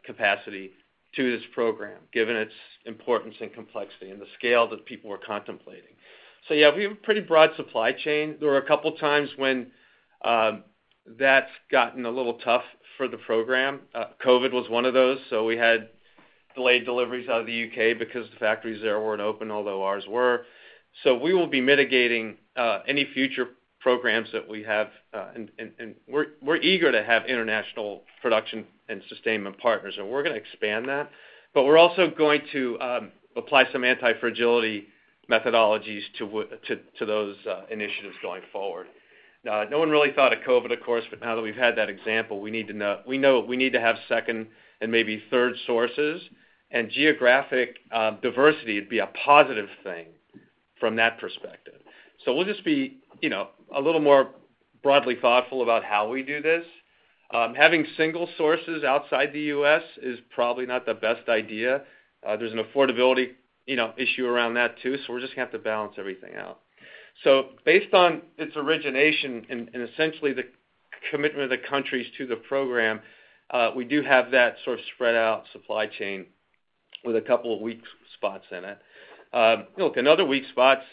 capacity to this program, given its importance and complexity and the scale that people were contemplating. So yeah, we have a pretty broad supply chain. There were a couple of times when that's gotten a little tough for the program. COVID was one of those, so we had delayed deliveries out of the UK because the factories there weren't open, although ours were. So we will be mitigating any future programs that we have, and we're eager to have international production and sustainment partners, and we're gonna expand that. But we're also going to apply some anti-fragility methodologies to those initiatives going forward. Now, no one really thought of COVID, of course, but now that we've had that example, we know we need to have second and maybe third sources, and geographic diversity would be a positive thing from that perspective. So we'll just be, you know, a little more broadly thoughtful about how we do this. Having single sources outside the U.S. is probably not the best idea. There's an affordability, you know, issue around that too, so we're just gonna have to balance everything out. So based on its origination and essentially the commitment of the countries to the program, we do have that sort of spread out supply chain with a couple of weak spots in it. Look, another weak spot's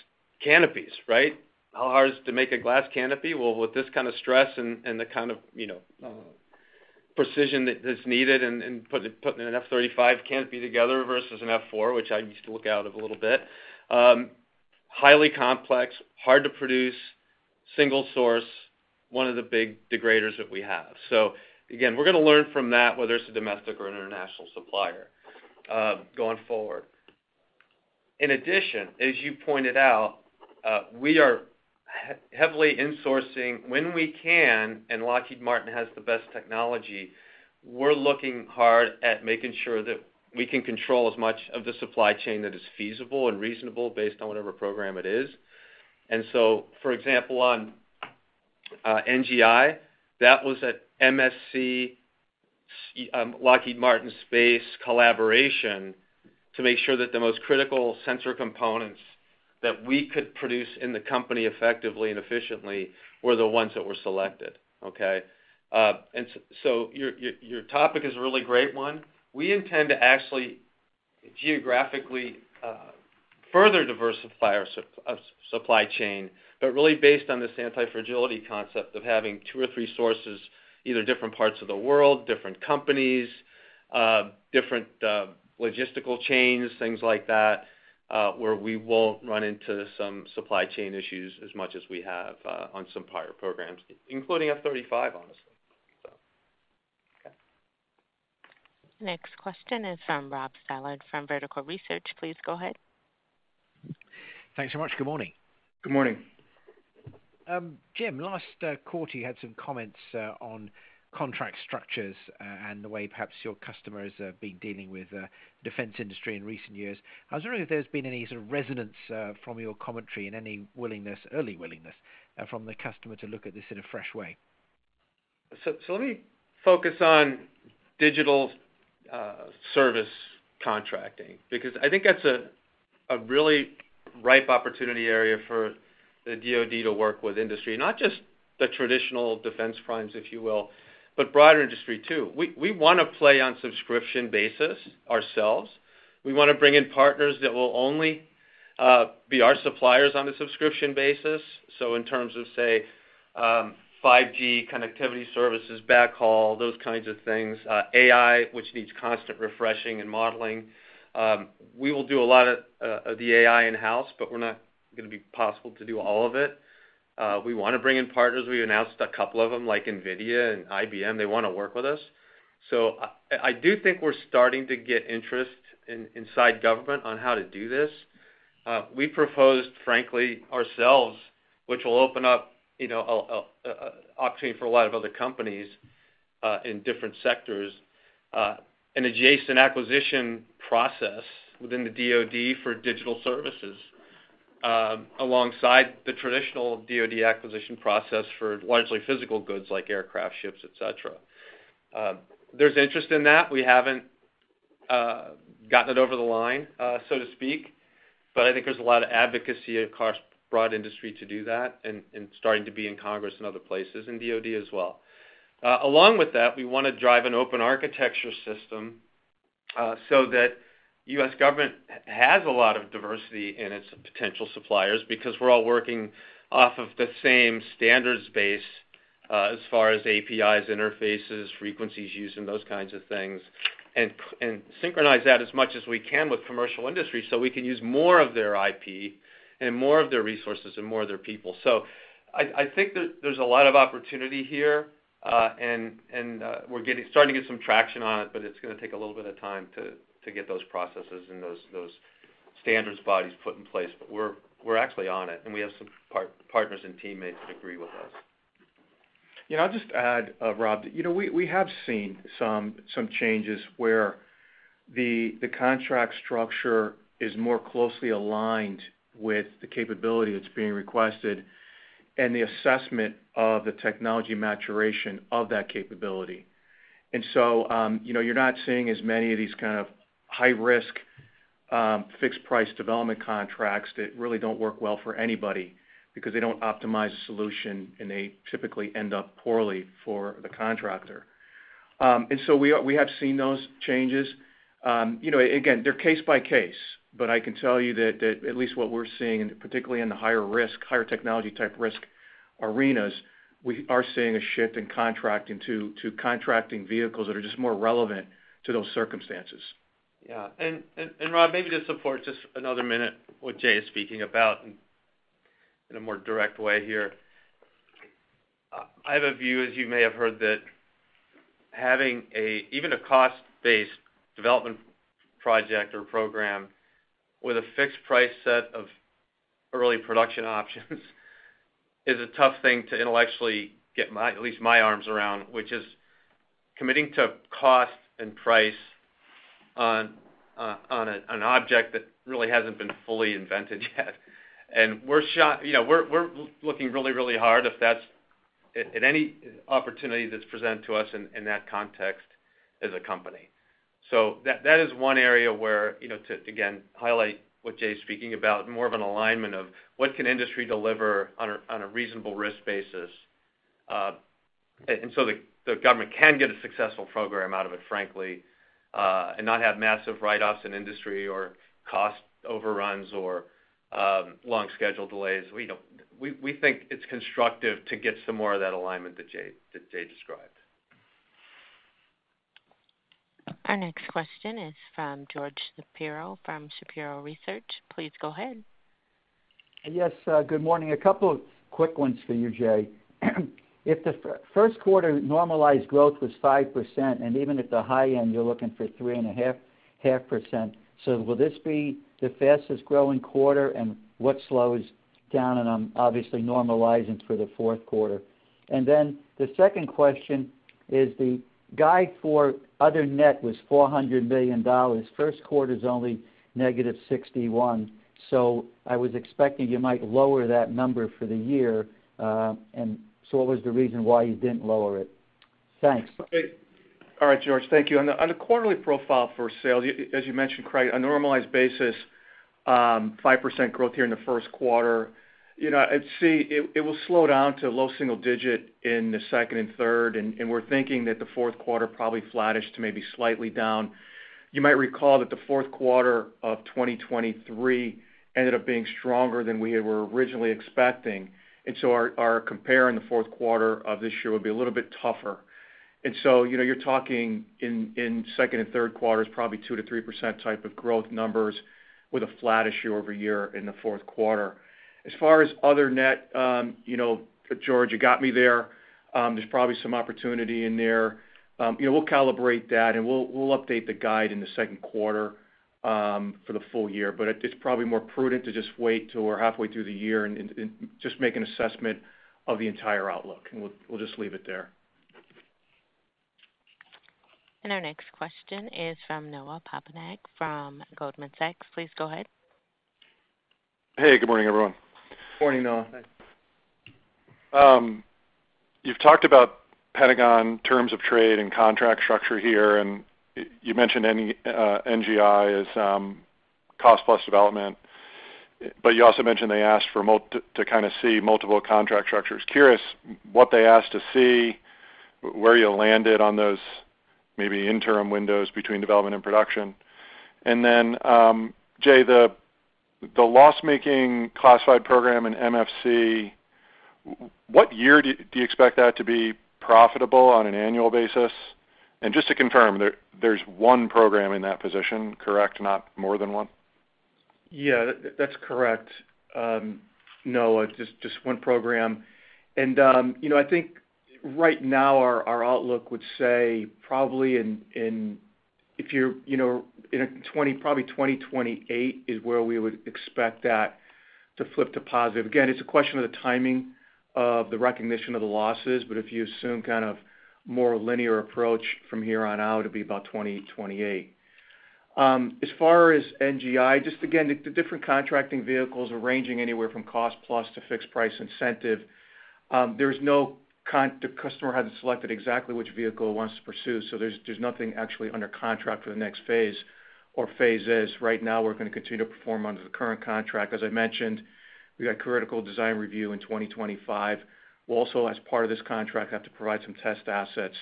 canopies, right? How hard is it to make a glass canopy? Well, with this kind of stress and the kind of, you know, precision that is needed and putting an F-35 canopy together versus an F-4, which I used to look out of a little bit, highly complex, hard to produce, single source, one of the big degraders that we have. So again, we're gonna learn from that, whether it's a domestic or an international supplier, going forward. In addition, as you pointed out, we are heavily insourcing when we can, and Lockheed Martin has the best technology. We're looking hard at making sure that we can control as much of the supply chain that is feasible and reasonable based on whatever program it is. And so, for example, on NGI, that was at MFC, Lockheed Martin Space collaboration to make sure that the most critical sensor components that we could produce in the company effectively and efficiently were the ones that were selected, okay? And so your topic is a really great one. We intend to actually geographically further diversify our supply chain, but really based on this anti-fragility concept of having two or three sources, either different parts of the world, different companies, different logistical chains, things like that, where we won't run into some supply chain issues as much as we have on some prior programs, including F-35, honestly. So, okay. Next question is from Rob Stallard from Vertical Research. Please go ahead. Thanks so much. Good morning. Good morning. Jim, last quarter, you had some comments on contract structures and the way perhaps your customers have been dealing with defense industry in recent years. I was wondering if there's been any sort of resonance from your commentary and any willingness, early willingness, from the customer to look at this in a fresh way. So let me focus on digital service contracting, because I think that's a really ripe opportunity area for the DoD to work with industry, not just the traditional defense primes, if you will, but broader industry, too. We wanna play on subscription basis ourselves. We wanna bring in partners that will only be our suppliers on a subscription basis. So in terms of, say, 5G connectivity services, backhaul, those kinds of things, AI, which needs constant refreshing and modeling. We will do a lot of of the AI in-house, but we're not gonna be possible to do all of it. We wanna bring in partners. We've announced a couple of them, like NVIDIA and IBM. They wanna work with us. So I do think we're starting to get interest inside government on how to do this. We proposed, frankly, ourselves, which will open up, you know, an opportunity for a lot of other companies in different sectors, an adjacent acquisition process within the DOD for digital services, alongside the traditional DOD acquisition process for largely physical goods like aircraft, ships, et cetera. There's interest in that. We haven't gotten it over the line, so to speak, but I think there's a lot of advocacy across broad industry to do that and starting to be in Congress and other places, and DOD as well. Along with that, we wanna drive an open architecture system, so that U.S. government has a lot of diversity in its potential suppliers, because we're all working off of the same standards base, as far as APIs, interfaces, frequencies used, and those kinds of things, and and synchronize that as much as we can with commercial industry, so we can use more of their IP and more of their resources and more of their people. So I think there's a lot of opportunity here, and, and, we're starting to get some traction on it, but it's gonna take a little bit of time to get those processes and those standards bodies put in place. But we're actually on it, and we have some partners and teammates that agree with us. Yeah, I'll just add, Rob, that, you know, we have seen some changes where the contract structure is more closely aligned with the capability that's being requested and the assessment of the technology maturation of that capability. And so, you know, you're not seeing as many of these kind of high risk fixed price development contracts that really don't work well for anybody because they don't optimize the solution, and they typically end up poorly for the contractor. And so we have seen those changes. You know, again, they're case by case, but I can tell you that at least what we're seeing, and particularly in the higher risk, higher technology type risk arenas, we are seeing a shift in contracting to contracting vehicles that are just more relevant to those circumstances. Yeah. And Rob, maybe to support just another minute what Jay is speaking about in a more direct way here. I have a view, as you may have heard, that having even a cost-based development project or program with a fixed price set of early production options is a tough thing to intellectually get my—at least my arms around, which is committing to cost and price on an object that really hasn't been fully invented yet. And you know, we're looking really, really hard at any opportunity that's presented to us in that context as a company. So that is one area where, you know, to again highlight what Jay's speaking about, more of an alignment of what can industry deliver on a reasonable risk basis, and so the government can get a successful program out of it, frankly, and not have massive write-offs in industry or cost overruns or long schedule delays. We think it's constructive to get some more of that alignment that Jay described. Our next question is from George Shapiro from Shapiro Research. Please go ahead. Yes, good morning. A couple of quick ones for you, Jay. If the first quarter normalized growth was 5%, and even at the high end, you're looking for 3.5%, so will this be the fastest growing quarter, and what slows down, and obviously normalizing for the fourth quarter? And then the second question is, the guide for other net was $400 million. First quarter is only negative $61 million, so I was expecting you might lower that number for the year, and so what was the reason why you didn't lower it? Thanks. All right, George, thank you. On the quarterly profile for sales, as you mentioned, Craig, on a normalized basis, 5% growth here in the first quarter. You know, I'd say it will slow down to low single digit in the second and third, and we're thinking that the fourth quarter probably flattish to maybe slightly down. You might recall that the fourth quarter of 2023 ended up being stronger than we had were originally expecting, and so our compare in the fourth quarter of this year will be a little bit tougher. So, you know, you're talking in second and third quarters, probably 2%-3% type of growth numbers with a flattish year-over-year in the fourth quarter. As far as other net, you know, George, you got me there. There's probably some opportunity in there. You know, we'll calibrate that, and we'll update the guide in the second quarter for the full year. But it's probably more prudent to just wait till we're halfway through the year and just make an assessment of the entire outlook, and we'll just leave it there. Our next question is from Noah Poponak from Goldman Sachs. Please go ahead. Hey, good morning, everyone. Morning, Noah. You've talked about Pentagon terms of trade and contract structure here, and you mentioned NGI is cost-plus development. But you also mentioned they asked to kind of see multiple contract structures. Curious what they asked to see, where you landed on those maybe interim windows between development and production. And then, Jay, the loss-making classified program in MFC, what year do you expect that to be profitable on an annual basis? And just to confirm, there's one program in that position, correct? Not more than one. Yeah, that's correct. Noah, just one program. You know, I think right now, our outlook would say probably in—if you're, you know, in a twenty, probably 2028 is where we would expect that to flip to positive. Again, it's a question of the timing of the recognition of the losses, but if you assume kind of more linear approach from here on out, it'd be about 2028. As far as NGI, just again, the different contracting vehicles are ranging anywhere from cost-plus to fixed price incentive. There's no—the customer hasn't selected exactly which vehicle it wants to pursue, so there's nothing actually under contract for the next phase or phases. Right now, we're going to continue to perform under the current contract. As I mentioned, we've got critical design review in 2025. We'll also, as part of this contract, have to provide some test assets,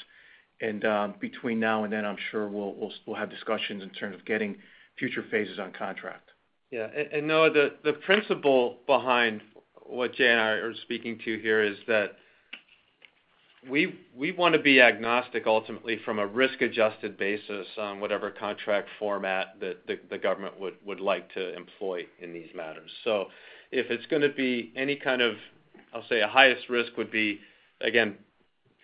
and, between now and then, I'm sure we'll have discussions in terms of getting future phases on contract. Yeah. And Noah, the principle behind what Jay and I are speaking to here is that we want to be agnostic ultimately from a risk-adjusted basis on whatever contract format that the government would like to employ in these matters. So if it's going to be any kind of... I'll say the highest risk would be, again,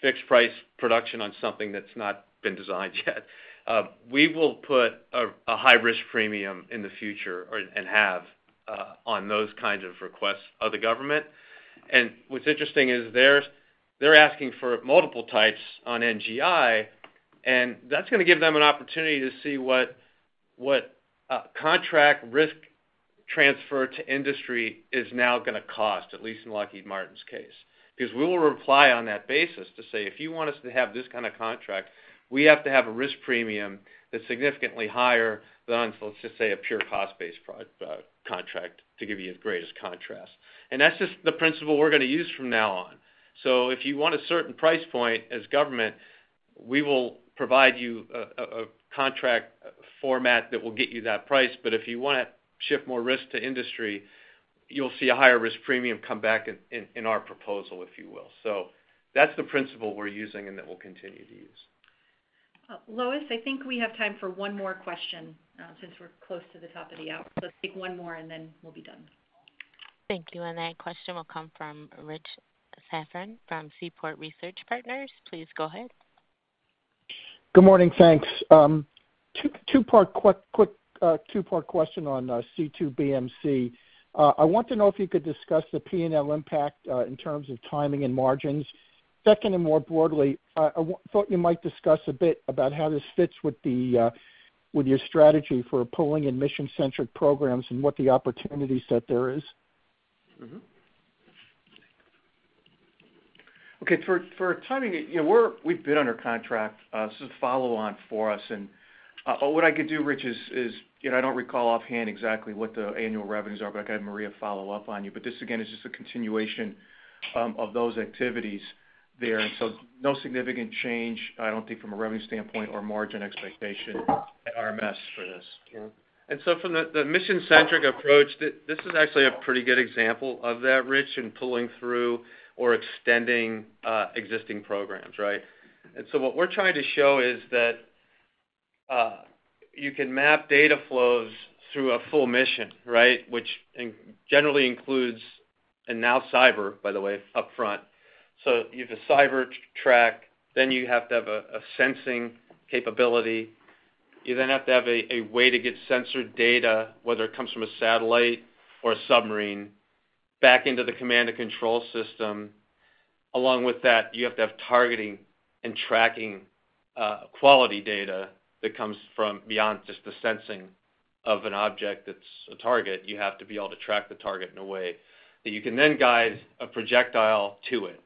fixed price production on something that's not been designed yet. We will put a high-risk premium in the future or and have on those kinds of requests of the government. And what's interesting is they're asking for multiple types on NGI, and that's going to give them an opportunity to see what contract risk transfer to industry is now going to cost, at least in Lockheed Martin's case. Because we will rely on that basis to say, "If you want us to have this kind of contract, we have to have a risk premium that's significantly higher than, let's just say, a pure cost-plus contract, to give you the greatest contrast." And that's just the principle we're going to use from now on. So if you want a certain price point as government, we will provide you a contract format that will get you that price, but if you want to shift more risk to industry, you'll see a higher risk premium come back in our proposal, if you will. So that's the principle we're using and that we'll continue to use. Lois, I think we have time for one more question, since we're close to the top of the hour. Let's take one more, and then we'll be done. Thank you. That question will come from Rich Safran from Seaport Research Partners. Please go ahead. Good morning, thanks. Two-part quick two-part question on C2BMC. I want to know if you could discuss the P&L impact in terms of timing and margins. Second, and more broadly, I thought you might discuss a bit about how this fits with the with your strategy for pulling in mission-centric programs and what the opportunities that there is. Mm-hmm. Okay, for timing, you know, we've been under contract, so follow on for us. And what I could do, Rich, is, you know, I don't recall offhand exactly what the annual revenues are, but I can have Maria follow up on you. But this, again, is just a continuation of those activities there. And so no significant change, I don't think, from a revenue standpoint or margin expectation at RMS for this. And so from the mission-centric approach, this is actually a pretty good example of that, Rich, in pulling through or extending existing programs, right? And so what we're trying to show is that you can map data flows through a full mission, right? Which generally includes, and now cyber, by the way, upfront. So you have a cyber track, then you have to have a sensing capability. You then have to have a way to get sensor data, whether it comes from a satellite or a submarine, back into the command and control system. Along with that, you have to have targeting and tracking quality data that comes from beyond just the sensing of an object that's a target. You have to be able to track the target in a way that you can then guide a projectile to it,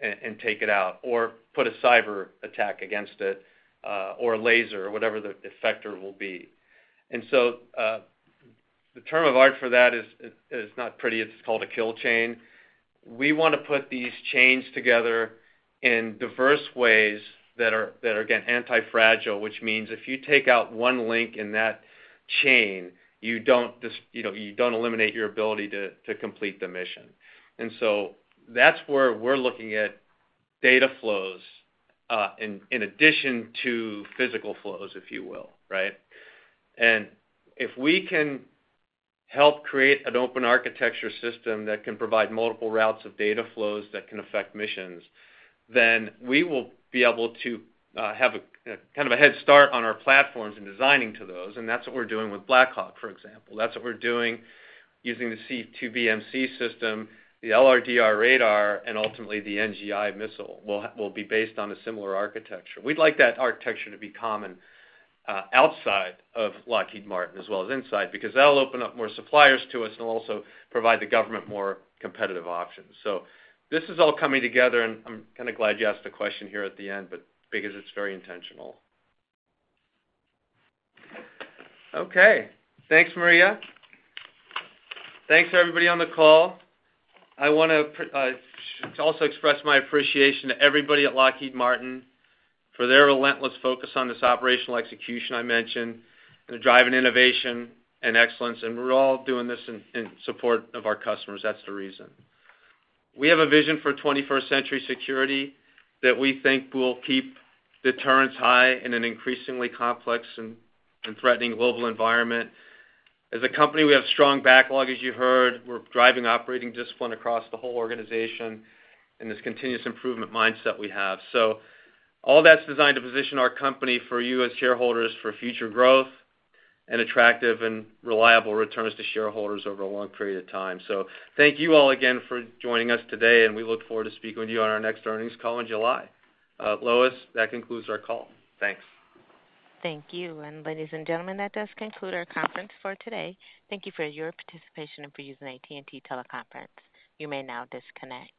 and, and take it out, or put a cyber attack against it, or a laser or whatever the effector will be. And so, the term of art for that is not pretty. It's called a kill chain. We wanna put these chains together in diverse ways that are, again, antifragile, which means if you take out one link in that chain, you don't—you know, you don't eliminate your ability to complete the mission. And so that's where we're looking at data flows, in addition to physical flows, if you will, right? If we can help create an open architecture system that can provide multiple routes of data flows that can affect missions, then we will be able to have a kind of a head start on our platforms in designing to those, and that's what we're doing with Black Hawk, for example. That's what we're doing using the C2BMC system, the LRDR radar, and ultimately, the NGI missile will be based on a similar architecture. We'd like that architecture to be common outside of Lockheed Martin as well as inside, because that'll open up more suppliers to us and will also provide the government more competitive options. So this is all coming together, and I'm kind of glad you asked the question here at the end, but because it's very intentional. Okay. Thanks, Maria. Thanks, everybody on the call. I want to also express my appreciation to everybody at Lockheed Martin for their relentless focus on this operational execution I mentioned, and the drive and innovation and excellence, and we're all doing this in support of our customers. That's the reason. We have a vision for 21st Century Security that we think will keep deterrence high in an increasingly complex and threatening global environment. As a company, we have strong backlog, as you heard. We're driving operating discipline across the whole organization and this continuous improvement mindset we have. So all that's designed to position our company for you as shareholders, for future growth and attractive and reliable returns to shareholders over a long period of time. So thank you all again for joining us today, and we look forward to speaking with you on our next earnings call in July. Lois, that concludes our call. Thanks. Thank you. Ladies and gentlemen, that does conclude our conference for today. Thank you for your participation and for using AT&T Teleconference. You may now disconnect.